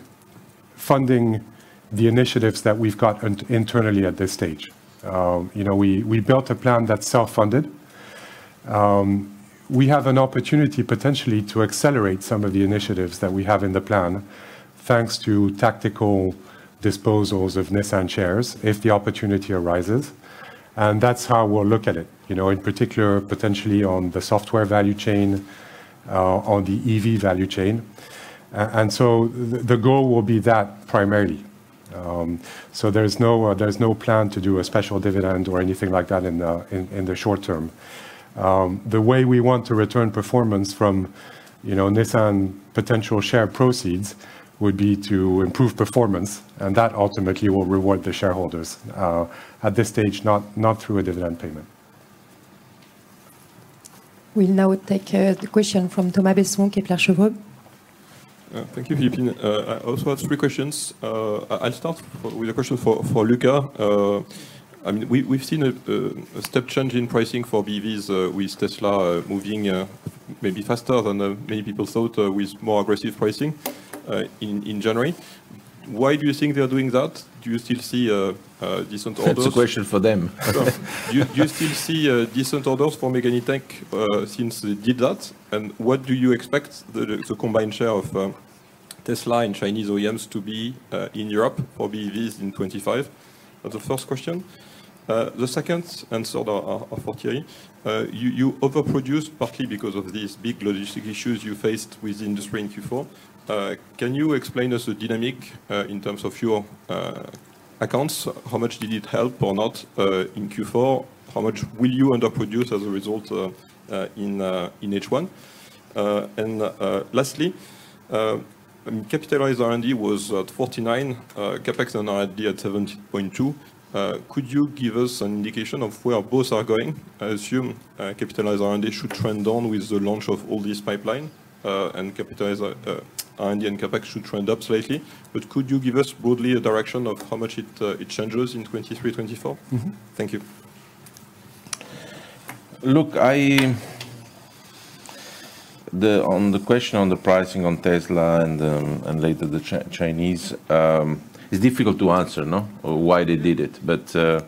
B: funding the initiatives that we've got internally at this stage. You know, we built a plan that's self-funded. We have an opportunity potentially to accelerate some of the initiatives that we have in the plan, thanks to tactical disposals of Nissan shares if the opportunity arises. That's how we'll look at it, you know, in particular, potentially on the software value chain, on the EV value chain. The goal will be that primarily. There's no plan to do a special dividend or anything like that in the short term. The way we want to return performance from, you know, Nissan potential share proceeds would be to improve performance, and that ultimately will reward the shareholders at this stage, not through a dividend payment.
C: We'll now take the question from Thomas Besson, Kepler Cheuvreux.
E: Thank you, Philippine. I also have three questions. I'll start with a question for Luca. I mean, we've seen a step change in pricing for BEVs with Tesla moving maybe faster than many people thought, with more aggressive pricing in January. Why do you think they are doing that? Do you still see decent orders?
A: That's a question for them.
E: Do you still see decent orders for Megane E-Tech since they did that? What do you expect the combined share of Tesla and Chinese OEMs to be in Europe for BEVs in 2025? That's the first question. The second, sort of for Thierry, you overproduced partly because of these big logistic issues you faced with the industry in Q4. Can you explain us the dynamic in terms of your accounts? How much did it help or not in Q4? How much will you underproduce as a result in H1? Lastly, capitalized R&D was at 49 million, CapEx and R&D at 7.2%. Could you give us an indication of where both are going? I assume, capitalized R&D should trend down with the launch of all this pipeline, and capitalized R&D and CapEx should trend up slightly. Could you give us broadly a direction of how much it changes in 2023-2024?
A: Mm-hmm.
E: Thank you.
A: Look, on the question on the pricing on Tesla and later the Chinese, it's difficult to answer, no. Why they did it.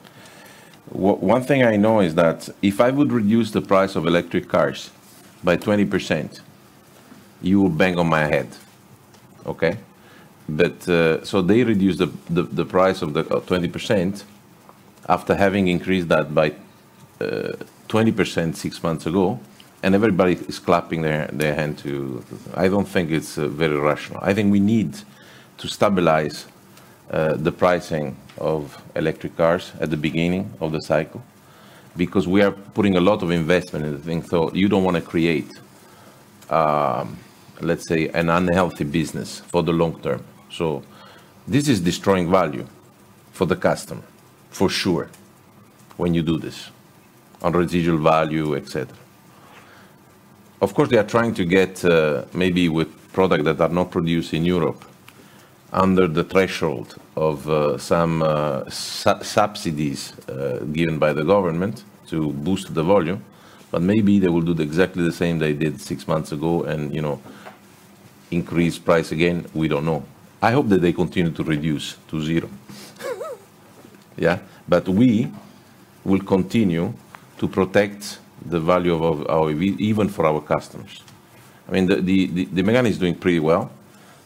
A: One thing I know is that if I would reduce the price of electric cars by 20%, you will bang on my head. Okay. They reduced the price of the car 20% after having increased that by 20% six months ago, and everybody is clapping their hand. I don't think it's very rational. I think we need to stabilize the pricing of electric cars at the beginning of the cycle because we are putting a lot of investment in the thing. You don't wanna create, let's say, an unhealthy business for the long term. This is destroying value for the customer, for sure, when you do this, on residual value, etc. Of course, they are trying to get maybe with product that are not produced in Europe, under the threshold of some subsidies given by the government to boost the volume. Maybe they will do exactly the same they did six months ago and, you know, increase price again. We don't know. I hope that they continue to reduce to zeo. Yeah. We will continue to protect the value of our EV, even for our customers. I mean, the Megane is doing pretty well.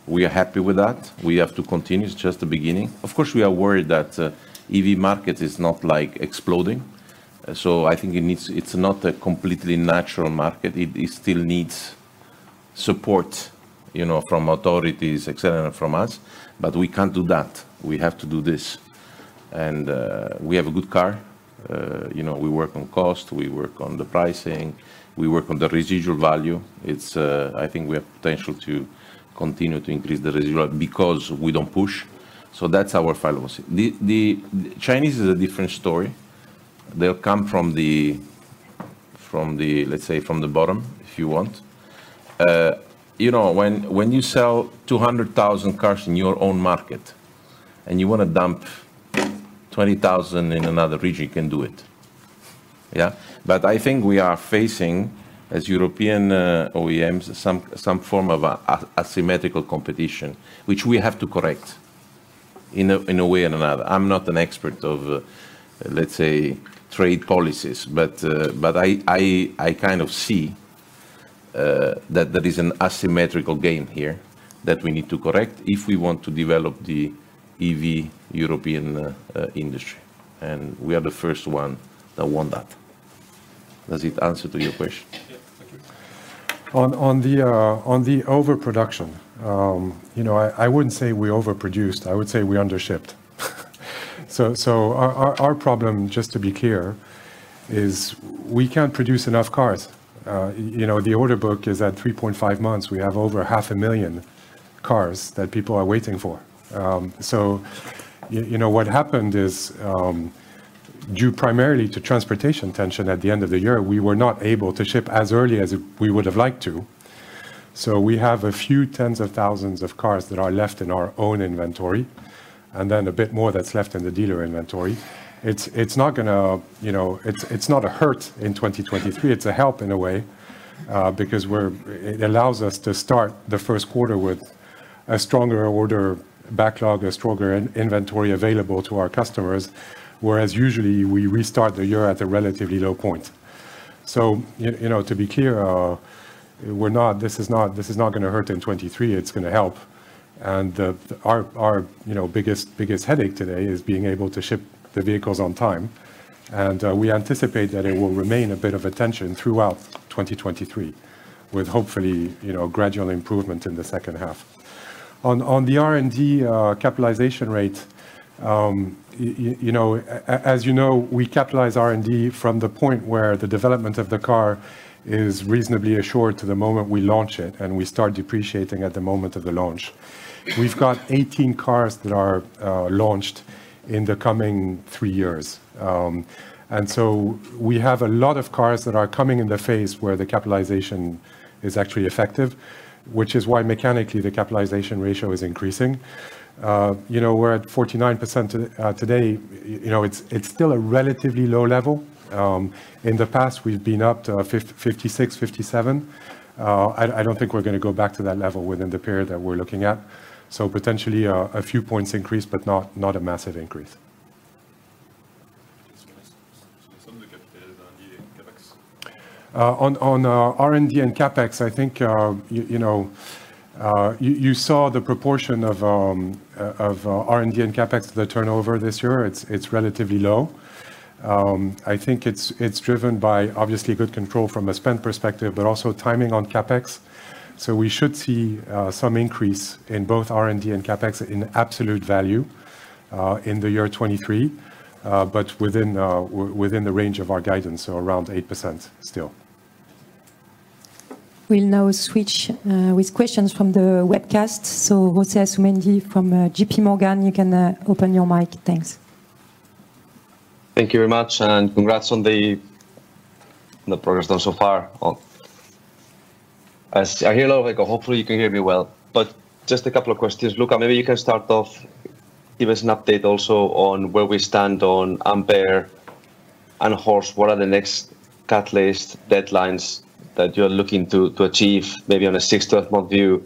A: We are happy with that. We have to continue. It's just the beginning. Of course, we are worried that EV market is not, like, exploding. I think it needs, it's not a completely natural market. It still needs support, you know, from authorities, et cetera, from us, but we can't do that. We have to do this. We have a good car. You know, we work on cost, we work on the pricing, we work on the residual value. It's, I think we have potential to continue to increase the residual because we don't push. That's our philosophy. The Chinese is a different story. They'll come from the, let's say, from the bottom, if you want. You know, when you sell 200,000 cars in your own market and you wanna dump 20,000 in another region, you can do it. Yeah? I think we are facing, as European OEMs, some form of asymmetrical competition, which we have to correct in a way or another. I'm not an expert of, let's say, trade policies, but I kind of see that there is an asymmetrical game here that we need to correct if we want to develop the EV European industry. We are the first one that want that. Does it answer to your question?
E: Yeah. Thank you.
B: On the overproduction, you know, I wouldn't say we overproduced. I would say we undershipped. Our problem, just to be clear, is we can't produce enough cars. You know, the order book is at 3.5 months. We have over half a million cars that people are waiting for. You know, what happened is, due primarily to transportation tension at the end of the year, we were not able to ship as early as we would have liked to. We have a few tens of thousands of cars that are left in our own inventory, and then a bit more that's left in the dealer inventory. It's not gonna, you know, it's not a hurt in 2023. It's a help in a way, because it allows us to start the first quarter with a stronger order backlog, a stronger inventory available to our customers. Whereas usually we restart the year at a relatively low point. You know, to be clear, we're not, this is not gonna hurt in 2023. It's gonna help. Our, you know, biggest headache today is being able to ship the vehicles on time. We anticipate that it will remain a bit of a tension throughout 2023, with hopefully, you know, gradual improvement in the second half. On the R&D capitalization rate, you know, as you know, we capitalize R&D from the point where the development of the car is reasonably assured to the moment we launch it, and we start depreciating at the moment of the launch. We've got 18 cars that are launched in the coming three years. We have a lot of cars that are coming in the phase where the capitalization is actually effective, which is why mechanically, the capitalization ratio is increasing. You know, we're at 49% today. You know, it's still a relatively low level. In the past, we've been up to 56%, 57%. I don't think we're gonna go back to that level within the period that we're looking at. Potentially a few points increase, but not a massive increase.
A: Some of the capital is R&D and CapEx.
B: On R&D and CapEx, I think, you know, you saw the proportion of R&D and CapEx, the turnover this year. It's relatively low. I think it's driven by obviously good control from a spend perspective, but also timing on CapEx. We should see some increase in both R&D and CapEx in absolute value in the year 2023, but within the range of our guidance, around 8% still.
C: We'll now switch with questions from the webcast. José Asumendi from JPMorgan, you can open your mic. Thanks.
F: Thank you very much. Congrats on the progress done so far. I hear a lot of echo. Hopefully you can hear me well. Just a couple of questions. Luca, maybe you can start off, give us an update also on where we stand on Ampere and HORSE. What are the next catalyst deadlines that you're looking to achieve maybe on a six-month view,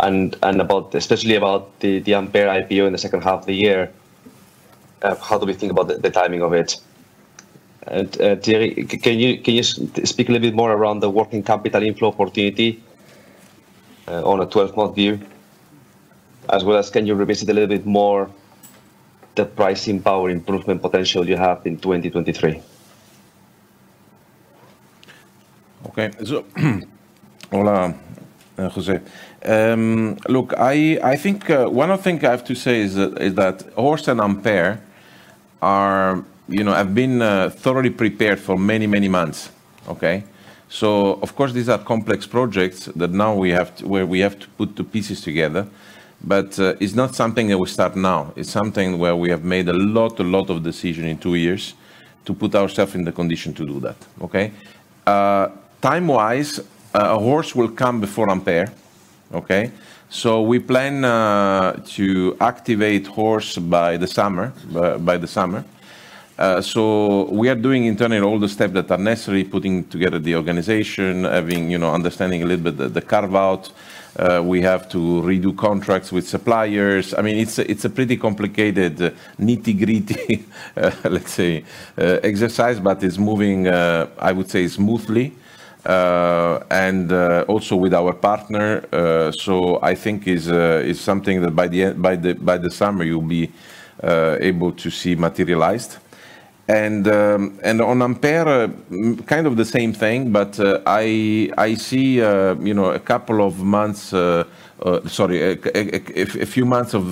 F: and about especially about the Ampere IPO in the second half of the year? How do we think about the timing of it? Thierry, can you speak a little bit more around the working capital inflow opportunity on a 12-month view? As well as can you revisit a little bit more the pricing power improvement potential you have in 2023?
A: Okay. hola, José. Look, I think one of the thing I have to say is that HORSE and Ampere are, you know, have been thoroughly prepared for many, many months, okay? Of course, these are complex projects that now we have to put the pieces together, but it's not something that will start now. It's something where we have made a lot of decision in two years to put ourself in the condition to do that. Okay? Time-wise, HORSE will come before Ampere. Okay? We plan to activate HORSE by the summer. By the summer. We are doing internally all the steps that are necessary, putting together the organization, having, you know, understanding a little bit the carve-out. We have to redo contracts with suppliers. I mean, it's a, it's a pretty complicated nitty-gritty, let's say, exercise, but it's moving, I would say smoothly. Also with our partner. I think is something that by the summer you'll be able to see materialized. On Ampere, kind of the same thing, but I see, you know, a couple of months, Sorry, a few months of,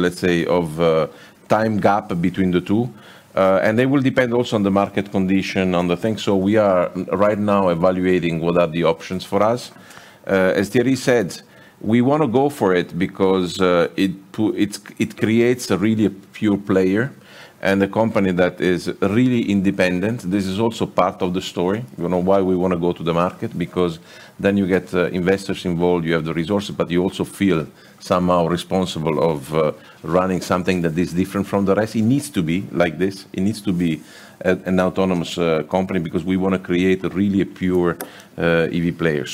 A: let's say, of time gap between the two. They will depend also on the market condition, on the things. We are right now evaluating what are the options for us. As Thierry said, we wanna go for it because it creates a really pure player and a company that is really independent. This is also part of the story. You know why we wanna go to the market, because then you get investors involved, you have the resources, but you also feel somehow responsible of running something that is different from the rest. It needs to be like this. It needs to be an autonomous company because we wanna create a really pure EV player.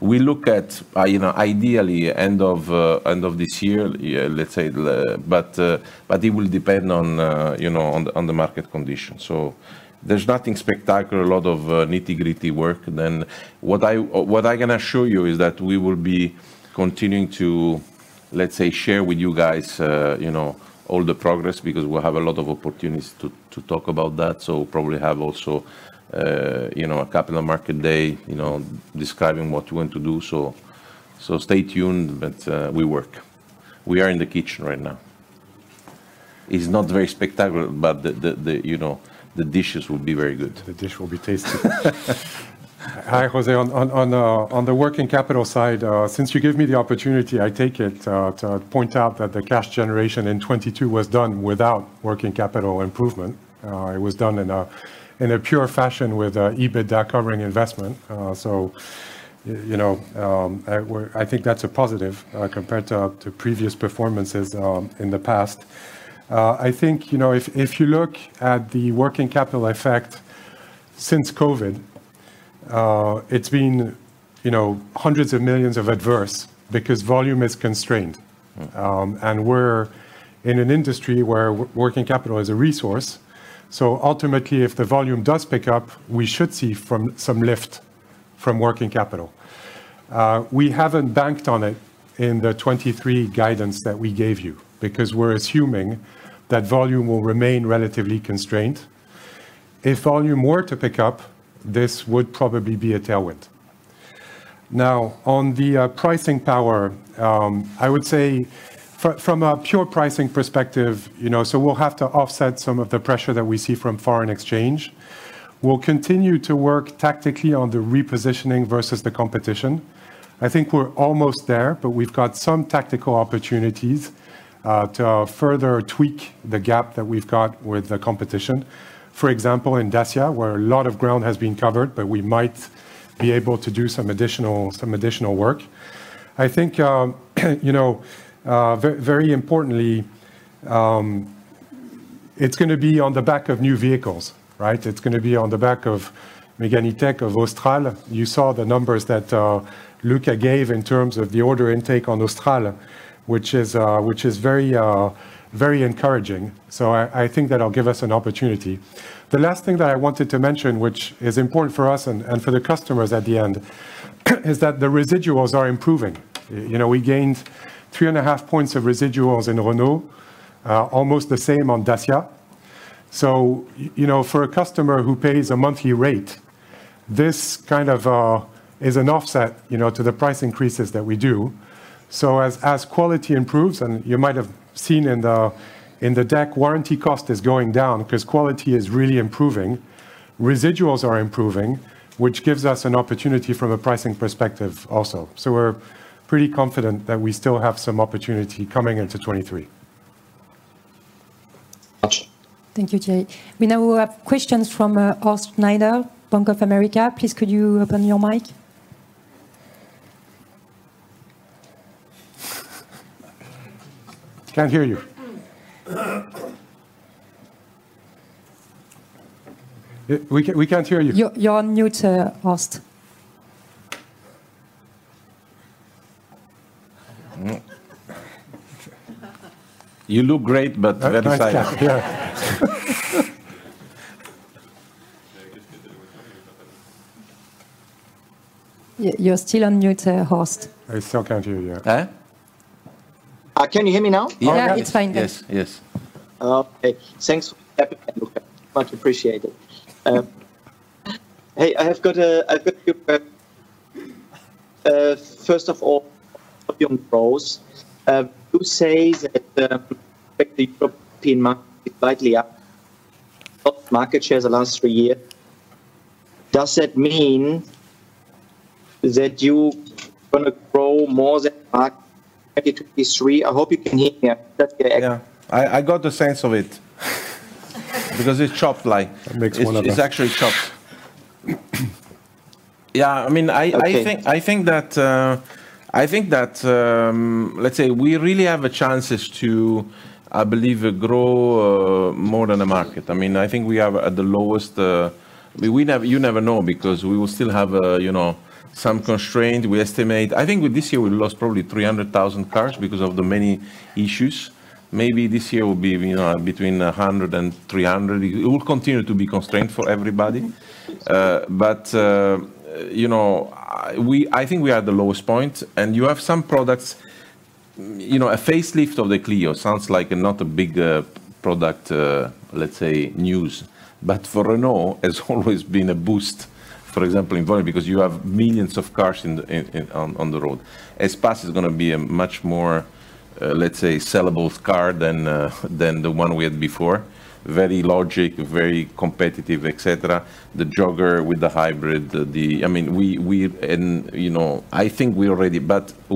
A: We look at you know, ideally end of end of this year, let's say, but it will depend on you know, on the, on the market conditions. There's nothing spectacular. A lot of nitty-gritty work. What I can assure you is that we will be continuing to, let's say, share with you guys, you know, all the progress because we'll have a lot of opportunities to talk about that. Probably have also, you know, a capital market day, you know, describing what we want to do. Stay tuned, but we work. We are in the kitchen right now. It's not very spectacular, but the, you know, the dishes will be very good.
B: The dish will be tasty. Hi, José. On, on the working capital side, since you gave me the opportunity, I take it to point out that the cash generation in 2022 was done without working capital improvement. It was done in a, in a pure fashion with EBITDA covering investment. So, you know, I think that's a positive compared to previous performances in the past. I think, you know, if you look at the working capital effect since COVID, it's been, you know, hundreds of millions of adverse because volume is constrained. We're in an industry where working capital is a resource. So ultimately, if the volume does pick up, we should see some lift from working capital. We haven't banked on it in the 2023 guidance that we gave you because we're assuming that volume will remain relatively constrained. If volume were to pick up, this would probably be a tailwind. Now, on the pricing power, I would say from a pure pricing perspective, you know, so we'll have to offset some of the pressure that we see from foreign exchange. We'll continue to work tactically on the repositioning versus the competition. I think we're almost there, but we've got some tactical opportunities to further tweak the gap that we've got with the competition. For example, in Dacia, where a lot of ground has been covered, but we might be able to do some additional work. I think, you know, very importantly, it's gonna be on the back of new vehicles, right? It's gonna be on the back of Megane E-Tech, of Austral. You saw the numbers that Luca gave in terms of the order intake on Austral, which is very, very encouraging. I think that'll give us an opportunity. The last thing that I wanted to mention, which is important for us and for the customers at the end. Is that the residuals are improving. You know, we gained 3.5 points of residuals in Renault, almost the same on Dacia. You know, for a customer who pays a monthly rate, this kind of is an offset, you know, to the price increases that we do. As quality improves, and you might have seen in the deck, warranty cost is going down because quality is really improving. Residuals are improving, which gives us an opportunity from a pricing perspective also. We're pretty confident that we still have some opportunity coming into 2023.
C: Thank you. We now have questions from Horst Schneider, Bank of America. Please could you open your mic?
B: Can't hear you. We can't hear you.
C: You're on mute, Horst.
B: No.
A: You look great, but very silent.
C: You're still on mute, Horst.
B: I still can't hear you.
A: Eh?
G: Can you hear me now?
C: Yeah, it's fine.
A: Yes. Yes.
G: Okay. Thanks. Much appreciated. Hey, I've got a few. First of all
A: Yeah. I got the sense of it because it's chopped. It makes one of that. It's actually chopped. Yeah. I mean, I think-
G: Okay.
A: I think that we really have a chances to, I believe, grow more than the market. I mean, I think we have at the lowest. You never know because we will still have, you know, some constraint. We estimate, I think this year we lost probably 300,000 cars because of the many issues. Maybe this year will be, you know, between 100,000 and 300,000. It will continue to be constrained for everybody. You know, I think we are at the lowest point. You have some products, you know, a facelift of the Clio sounds like not a big product news. For Renault, it's always been a boost, for example, in volume, because you have millions of cars on the road. Espace is gonna be a much more, let's say, sellable car than the one we had before. Very logic, very competitive, et cetera. The Jogger with the hybrid. I mean, we, you know,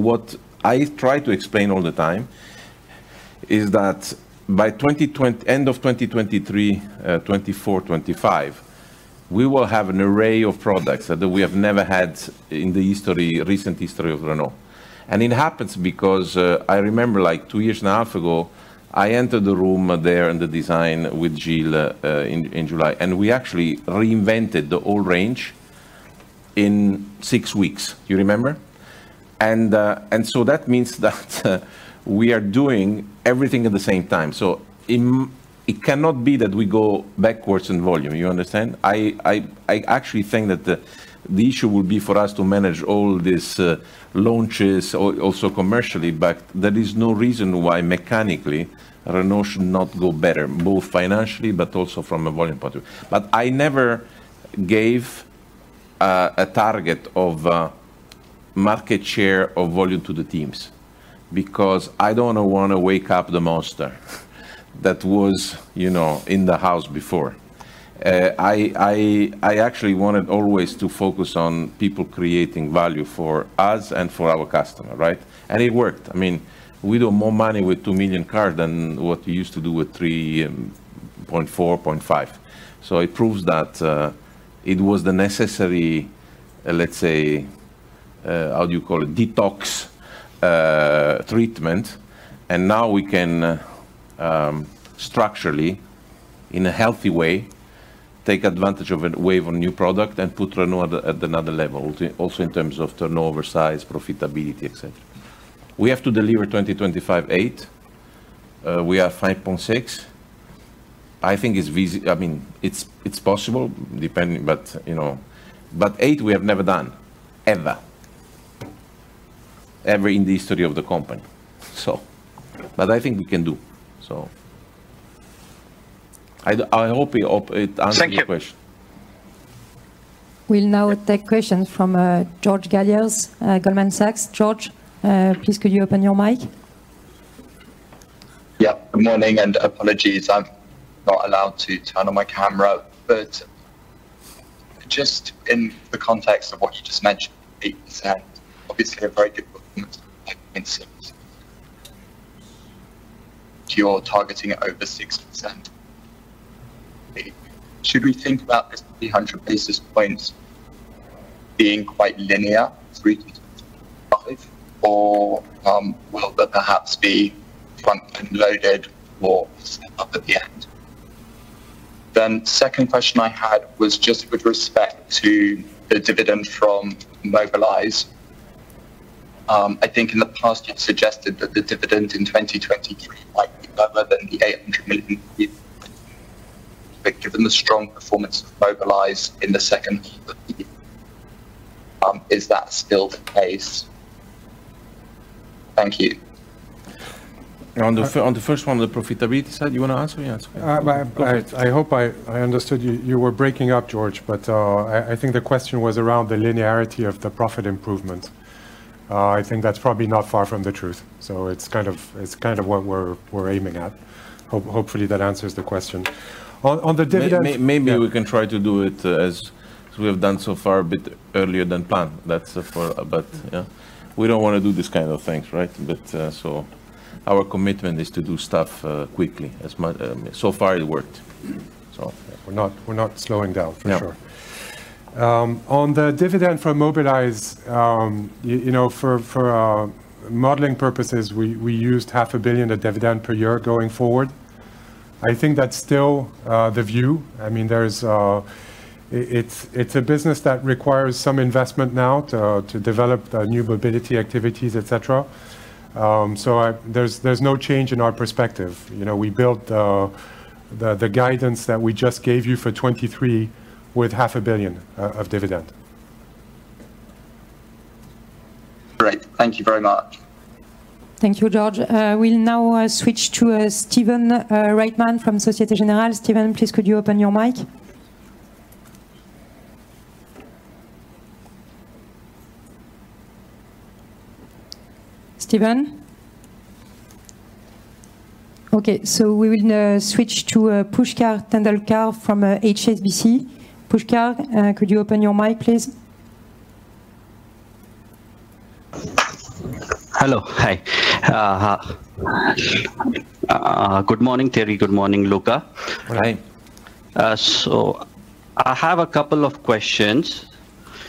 A: what I try to explain all the time is that by end of 2023, 2024, 2025, we will have an array of products that we have never had in the history, recent history of Renault. It happens because, I remember, like, two years and a half ago, I entered the room there in the design with Gilles in July, and we actually reinvented the whole range in six weeks. You remember? That means that we are doing everything at the same time. It cannot be that we go backwards in volume. You understand? I actually think that the issue will be for us to manage all these launches also commercially, but there is no reason why mechanically Renault should not go better, both financially but also from a volume point of view. I never gave a target of market share or volume to the teams because I don't wanna wake up the monster that was, you know, in the house before. I actually wanted always to focus on people creating value for us and for our customer, right? It worked. I mean, we do more money with 2 million cars than what we used to do with 3.4 million, 3.5 million. It proves that it was the necessary, let's say, how do you call it, detox treatment. Now we can structurally, in a healthy way, take advantage of a wave on new product and put Renault at another level, also in terms of turnover size, profitability, et cetera. We have to deliver 2025 8%. We are 5.6%. I think I mean, it's possible, depending, but, you know. 8% we have never done, ever. Ever in the history of the company, so. I think we can do, so. I hope it answers your question.
G: Thank you.
C: We'll now take questions from George Galliers, Goldman Sachs. George, please could you open your mic?
H: Yeah. Good morning and apologies, I'm not allowed to turn on my camera. Just in the context of what you just mentioned, 8% obviously a very good you're targeting over 6%. Should we think about this 300 basis points being quite linear, three to five, or will there perhaps be front-end loaded or step up at the end? Second question I had was just with respect to the dividend from Mobilize. I think in the past you've suggested that the dividend in 2023 might be lower than the 800 million. Given the strong performance of Mobilize in the second, is that still the case? Thank you.
A: On the first one, the profitability side, you wanna answer? Yeah, it's fine.
B: Uh, I, I-
A: Go ahead.
B: I hope I understood you. You were breaking up, George. I think the question was around the linearity of the profit improvement. I think that's probably not far from the truth, so it's kind of what we're aiming at. Hopefully that answers the question. On the dividend-
A: Maybe we can try to do it, as we have done so far, a bit earlier than planned. Yeah, we don't wanna do these kind of things, right? So our commitment is to do stuff quickly. So far it worked, so.
B: We're not slowing down, for sure.
A: No.
B: On the dividend from Mobilize, you know, for modeling purposes, we used 500 million of dividend per year going forward. I think that's still the view. I mean, it's a business that requires some investment now to develop the new mobility activities, et cetera. There's no change in our perspective. You know, we built the guidance that we just gave you for 2023 with 500 million of dividend.
H: Great. Thank you very much.
C: Thank you, George. We'll now switch to Steven Reitman from Société Générale. Steven, please could you open your mic? Steven? Okay, we will switch to Pushkar Tendolkar from HSBC. Pushkar, could you open your mic, please?
I: Hello. Hi. Hi. Good morning, Thierry. Good morning, Luca.
A: Hi.
I: I a couple of questions.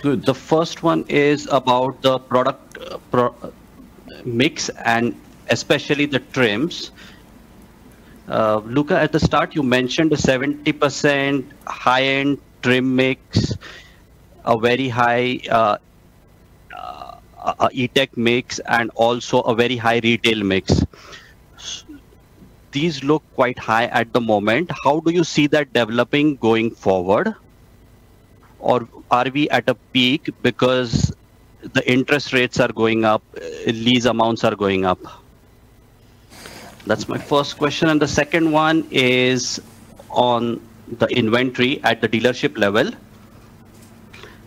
A: Good.
I: The first one is about the product mix and especially the trims. Luca, at the start you mentioned 70% high-end trim mix, a very high E-TECH mix, and also a very high retail mix. These look quite high at the moment. How do you see that developing going forward? Are we at a peak because the interest rates are going up, lease amounts are going up? That's my first question. The second one is on the inventory at the dealership level.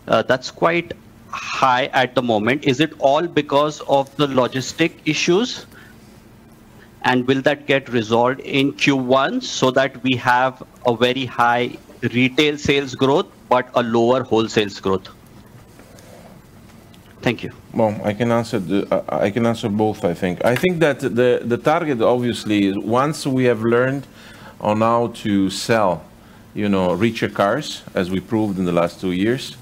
I: That's quite high at the moment. Is it all because of the logistic issues? Will that get resolved in Q1 so that we have a very high retail sales growth, but a lower wholesale growth? Thank you.
A: Well, I can answer both, I think. I think that the target, obviously, once we have learned on how to sell, you know, richer cars, as we proved in the last two years,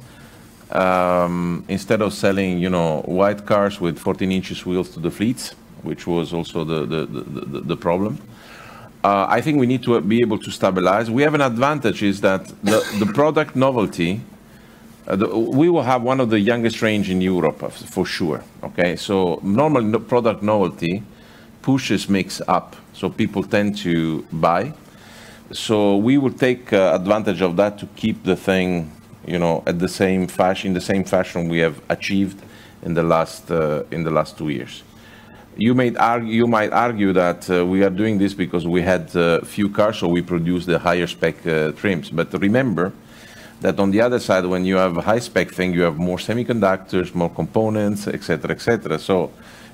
A: instead of selling, you know, white cars with 14 inches wheels to the fleets, which was also the problem, I think we need to be able to stabilize. We have an advantage is that the product novelty, we will have one of the youngest range in Europe, for sure, okay? Normally, the product novelty pushes mix up, people tend to buy. We will take advantage of that to keep the thing, you know, at the same fashion we have achieved in the last two years. You might argue that we are doing this because we had few cars, we produced the higher spec trims. Remember that on the other side, when you have a high-spec thing, you have more semiconductors, more components, et cetera, et cetera.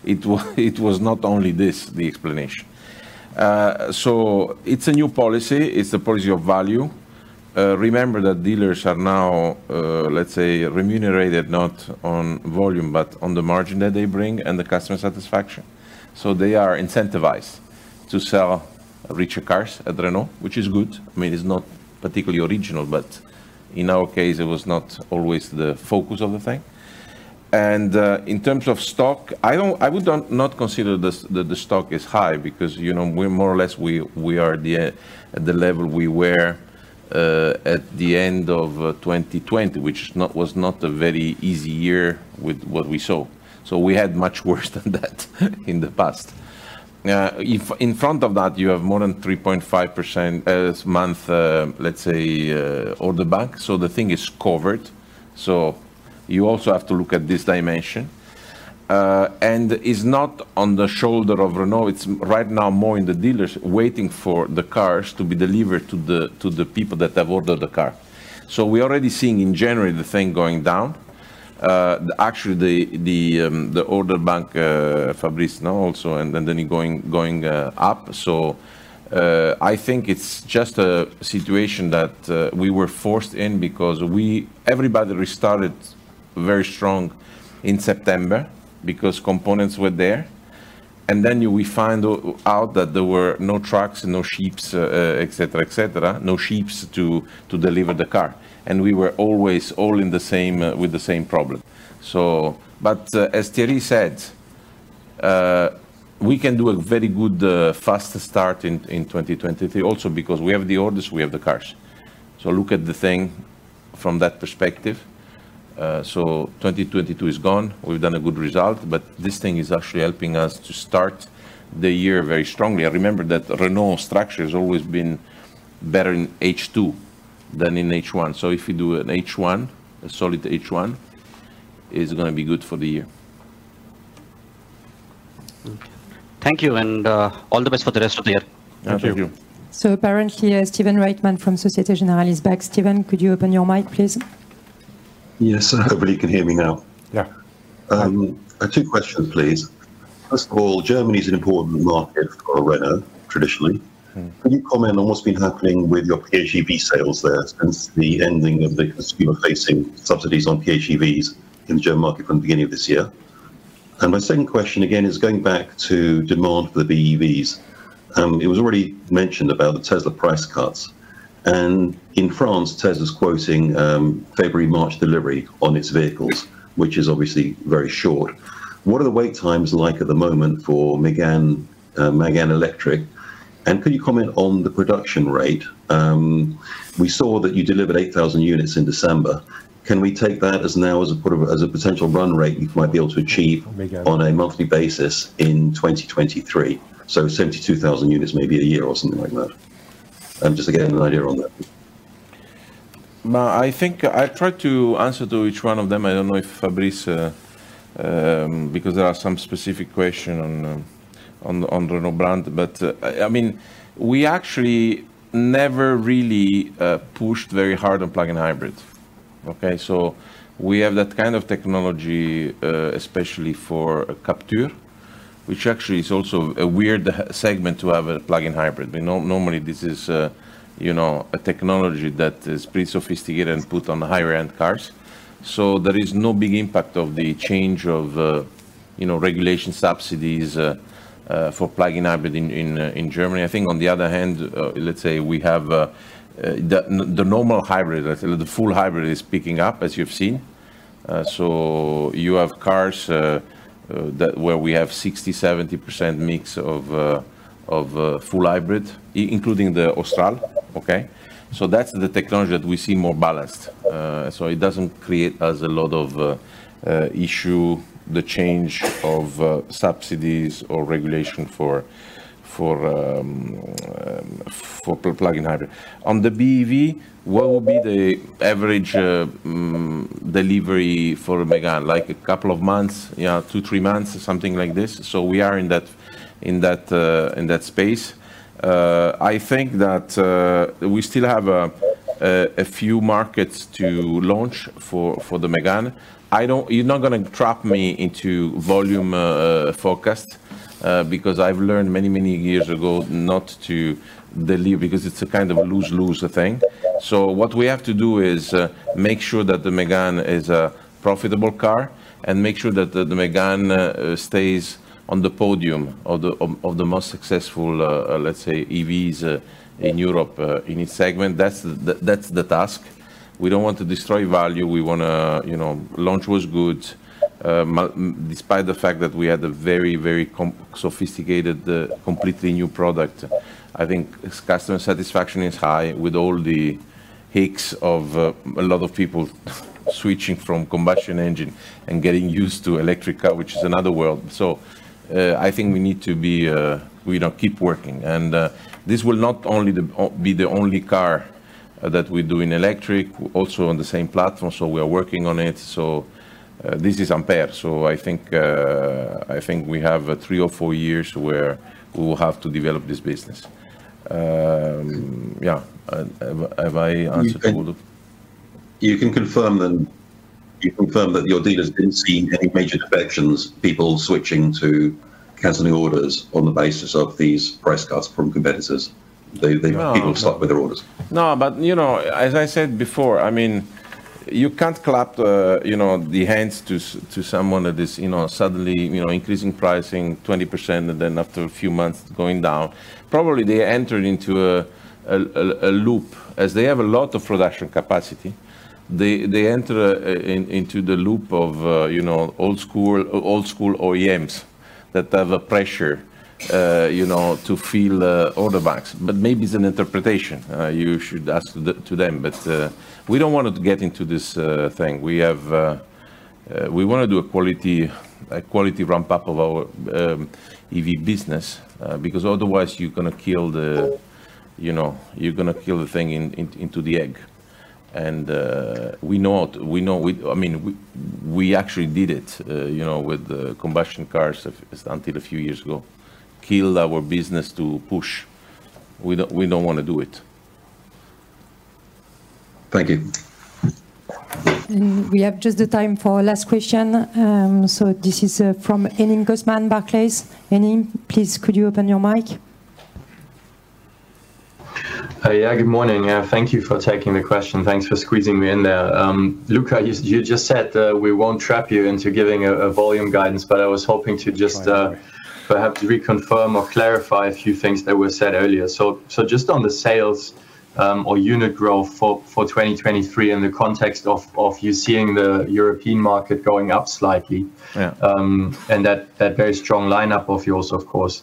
A: It was not only this, the explanation. It's a new policy. It's the policy of value. Remember that dealers are now, let's say remunerated not on volume, but on the margin that they bring and the customer satisfaction, they are incentivized to sell richer cars at Renault, which is good. I mean, it's not particularly original, but in our case it was not always the focus of the thing. In terms of stock, I don't, I would not consider the stock is high because, you know, we're more or less we are at the level we were at the end of 2020, which was not a very easy year with what we sold. We had much worse than that in the past. If in front of that you have more than 3.5% as month, let's say, order bank, so the thing is covered, so you also have to look at this dimension. It's not on the shoulder of Renault, it's right now more in the dealers waiting for the cars to be delivered to the people that have ordered the car. We're already seeing in January the thing going down. Actually the order bank, Fabrice know also, and then it going up. I think it's just a situation that we were forced in because everybody restarted very strong in September because components were there, and then we find out that there were no trucks, no ships, et cetera, et cetera. No ships to deliver the car, and we were always all in the same, with the same problem. But as Thierry said, we can do a very good fast start in 2023 also because we have the orders, we have the cars. Look at the thing from that perspective. 2022 is gone. We've done a good result, but this thing is actually helping us to start the year very strongly. I remember that Renault structure has always been better in H2 than in H1. If you do an H1, a solid H1, it's gonna be good for the year.
I: Thank you, and, all the best for the rest of the year.
A: Thank you.
B: Thank you.
C: Apparently, Stephen Reitman from Société Générale is back. Stephen, could you open your mic, please?
J: Yes. I hope you can hear me now.
B: Yeah.
J: Two questions, please. First of all, Germany is an important market for Renault, traditionally.
A: Mm-hmm.
J: Could you comment on what's been happening with your PHEV sales there since the ending of the consumer facing subsidies on PHEVs in the German market from the beginning of this year? My second question, again, is going back to demand for the BEVs. It was already mentioned about the Tesla price cuts, and in France, Tesla is quoting February, March delivery on its vehicles, which is obviously very short. What are the wait times like at the moment for Megane E-Tech Electric? Could you comment on the production rate? We saw that you delivered 8,000 units in December. Can we take that as now as a potential run rate you might be able to achieve on a monthly basis in 2023? 72,000 units maybe a year or something like that. Just to get an idea on that.
A: I think I tried to answer to each one of them. I don't know if Fabrice, because there are some specific questions on the Renault brand. I mean, we actually never really pushed very hard on plug-in hybrid, okay? We have that kind of technology, especially for Captur, which actually is also a weird C segment to have a plug-in hybrid. You know, normally this is a, you know, a technology that is pretty sophisticated and put on the higher-end cars. There is no big impact of the change of, you know, regulation subsidies for plug-in hybrid in Germany. I think on the other hand, let's say we have the normal hybrid, let's say the full hybrid is picking up, as you've seen. You have cars that where we have 60%, 70% mix of full hybrid, including the Austral, okay? That's the technology that we see more balanced. It doesn't create us a lot of issue, the change of subsidies or regulation for plug-in hybrid. On the BEV, what will be the average delivery for Megane E-Tech? Like a couple of months? Two, three months or something like this. We are in that, in that, in that space. I think that we still have a few markets to launch for the Megane E-Tech. You're not gonna trap me into volume forecast because I've learned many, many years ago not to deliver because it's a kind of lose-lose thing. What we have to do is make sure that the Megane E-Tech electric is a profitable car and make sure that the Megane E-Tech electric stays on the podium of the most successful, let's say, EVs in Europe in its segment. That's the task. We don't want to destroy value. We wanna, you know, launch was good. Despite the fact that we had a very sophisticated, completely new product, I think customer satisfaction is high with all the aches of a lot of people switching from combustion engine and getting used to electric car, which is another world. I think we need to be, you know, keep working. This will not only be the only car that we do in electric, also on the same platform. We are working on it. This is Ampere. I think, I think we have three or four years where we will have to develop this business. Yeah. Have I answered all of-
J: You can confirm that your dealers didn't see any major defections, people switching to canceling orders on the basis of these price cuts from competitors?
A: No, no.
J: People stuck with their orders.
A: You know, as I said before, I mean, you can't clap the, you know, the hands to someone that is, you know, suddenly, you know, increasing pricing 20% and then after a few months going down. Probably they entered into a loop. As they have a lot of production capacity, they enter into the loop of, you know, old school OEMs that have a pressure, you know, to fill order banks. Maybe it's an interpretation, you should ask the, to them. We don't want to get into this thing. We wanna do a quality ramp-up of our EV business, because otherwise you're gonna kill the, you know, you're gonna kill the thing into the egg. We know what, I mean, we actually did it, you know, with the combustion cars until a few years ago. Killed our business to push. We don't wanna do it.
J: Thank you.
C: We have just the time for last question. This is from Henning Cosman, Barclays. Henning, please could you open your mic?
K: Yeah, good morning. Yeah, thank you for taking the question. Thanks for squeezing me in there. Luca, you just said, we won't trap you into giving a volume guidance, but I was hoping to just perhaps reconfirm or clarify a few things that were said earlier. Just on the sales or unit growth for 2023 in the context of you seeing the European market going up slightly.
B: Yeah
K: That very strong lineup of yours, of course.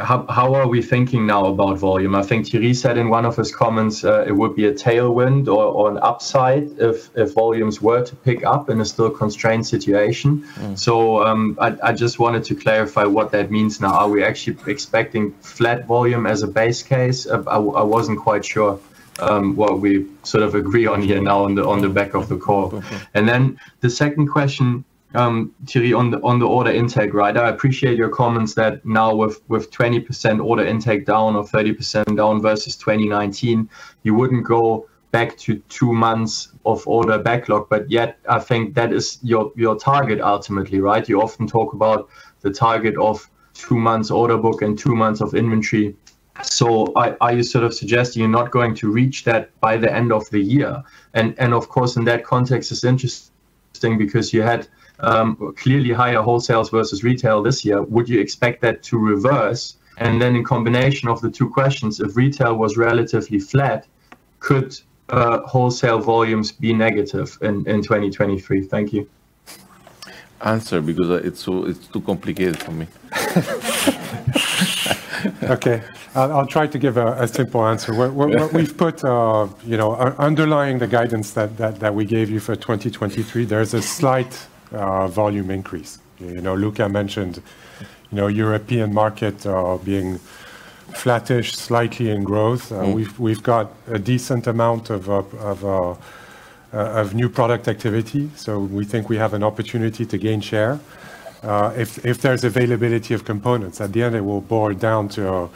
K: How are we thinking now about volume? I think Thierry said in one of his comments, it would be a tailwind or an upside if volumes were to pick up in a still constrained situation. I just wanted to clarify what that means now. Are we actually expecting flat volume as a base case? I wasn't quite sure what we sort of agree on here now on the, on the back of the call. The second question, Thierry, on the order intake, right? I appreciate your comments that now with 20% order intake down or 30% down versus 2019, you wouldn't go back to two months of order backlog, yet I think that is your target ultimately, right? You often talk about the target of two months order book and two months of inventory. Are you sort of suggesting you're not going to reach that by the end of the year? Of course, in that context it's interesting because you had clearly higher wholesales versus retail this year. Would you expect that to reverse? In combination of the two questions, if retail was relatively flat, could wholesale volumes be negative in 2023? Thank you.
A: Answer because, it's so, it's too complicated for me.
B: I'll try to give a simple answer.
A: Yeah.
B: What we've put, you know, underlying the guidance that we gave you for 2023, there is a slight volume increase. You know, Luca mentioned, you know, European markets being flattish slightly in growth. We've got a decent amount of new product activity, so we think we have an opportunity to gain share. If there's availability of components. At the end it will boil down to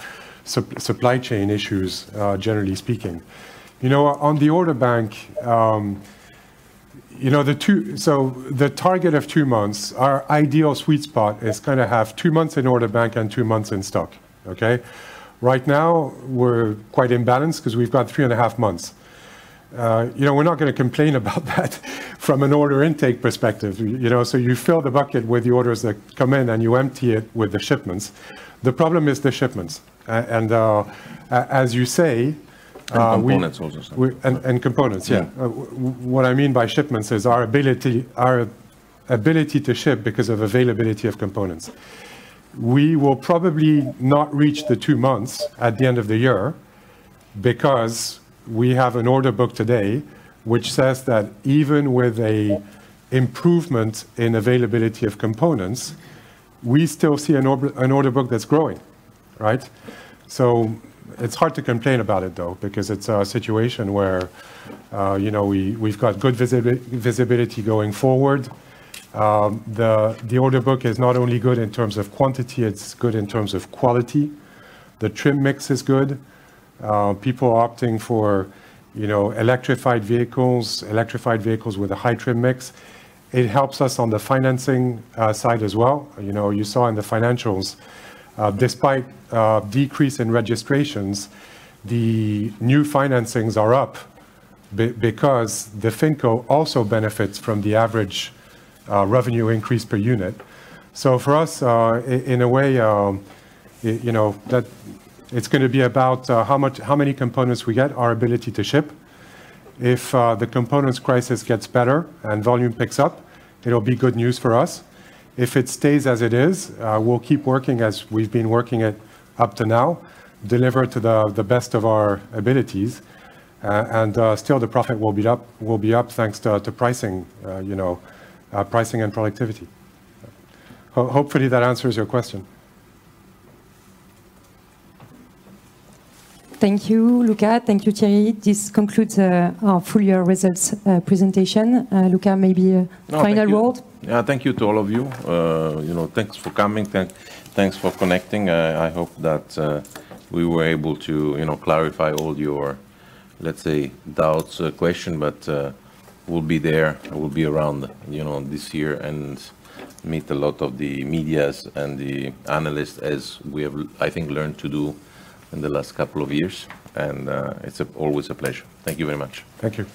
B: supply chain issues, generally speaking. You know, on the order bank, you know, the target of two months, our ideal sweet spot is kinda have two months in order bank and two months in stock, okay. Right now we're quite imbalanced 'cause we've got 3.5 months. You know, we're not gonna complain about that from an order intake perspective. You know, so you fill the bucket with the orders that come in, and you empty it with the shipments. The problem is the shipments. As you say, we-
A: Components also.
B: Components, yeah.
A: Yeah.
B: What I mean by shipments is our ability to ship because of availability of components. We will probably not reach the two months at the end of the year because we have an order book today which says that even with a improvement in availability of components, we still see an order book that's growing, right? It's hard to complain about it though, because it's a situation where, you know, we've got good visibility going forward. The order book is not only good in terms of quantity, it's good in terms of quality. The trim mix is good. People are opting for, you know, electrified vehicles with a high trim mix. It helps us on the financing side as well. You know, you saw in the financials, despite decrease in registrations, the new financings are up because the FinCo also benefits from the average revenue increase per unit. For us, in a way, you know, that it's gonna be about how much, how many components we get, our ability to ship. If the components crisis gets better and volume picks up, it'll be good news for us. If it stays as it is, we'll keep working as we've been working up to now, deliver to the best of our abilities, and still the profit will be up, will be up thanks to pricing, you know, pricing and productivity. Hopefully that answers your question.
C: Thank you, Luca. Thank you, Thierry. This concludes our full year results presentation. Luca, maybe a final word.
A: Yeah, thank you to all of you. You know, thanks for coming. Thanks for connecting. I hope that, we were able to, you know, clarify all your, let's say, doubts, question. We'll be there, we'll be around, you know, this year and meet a lot of the medias and the analysts as we have I think learned to do in the last couple of years. It's always a pleasure. Thank you very much.
B: Thank you.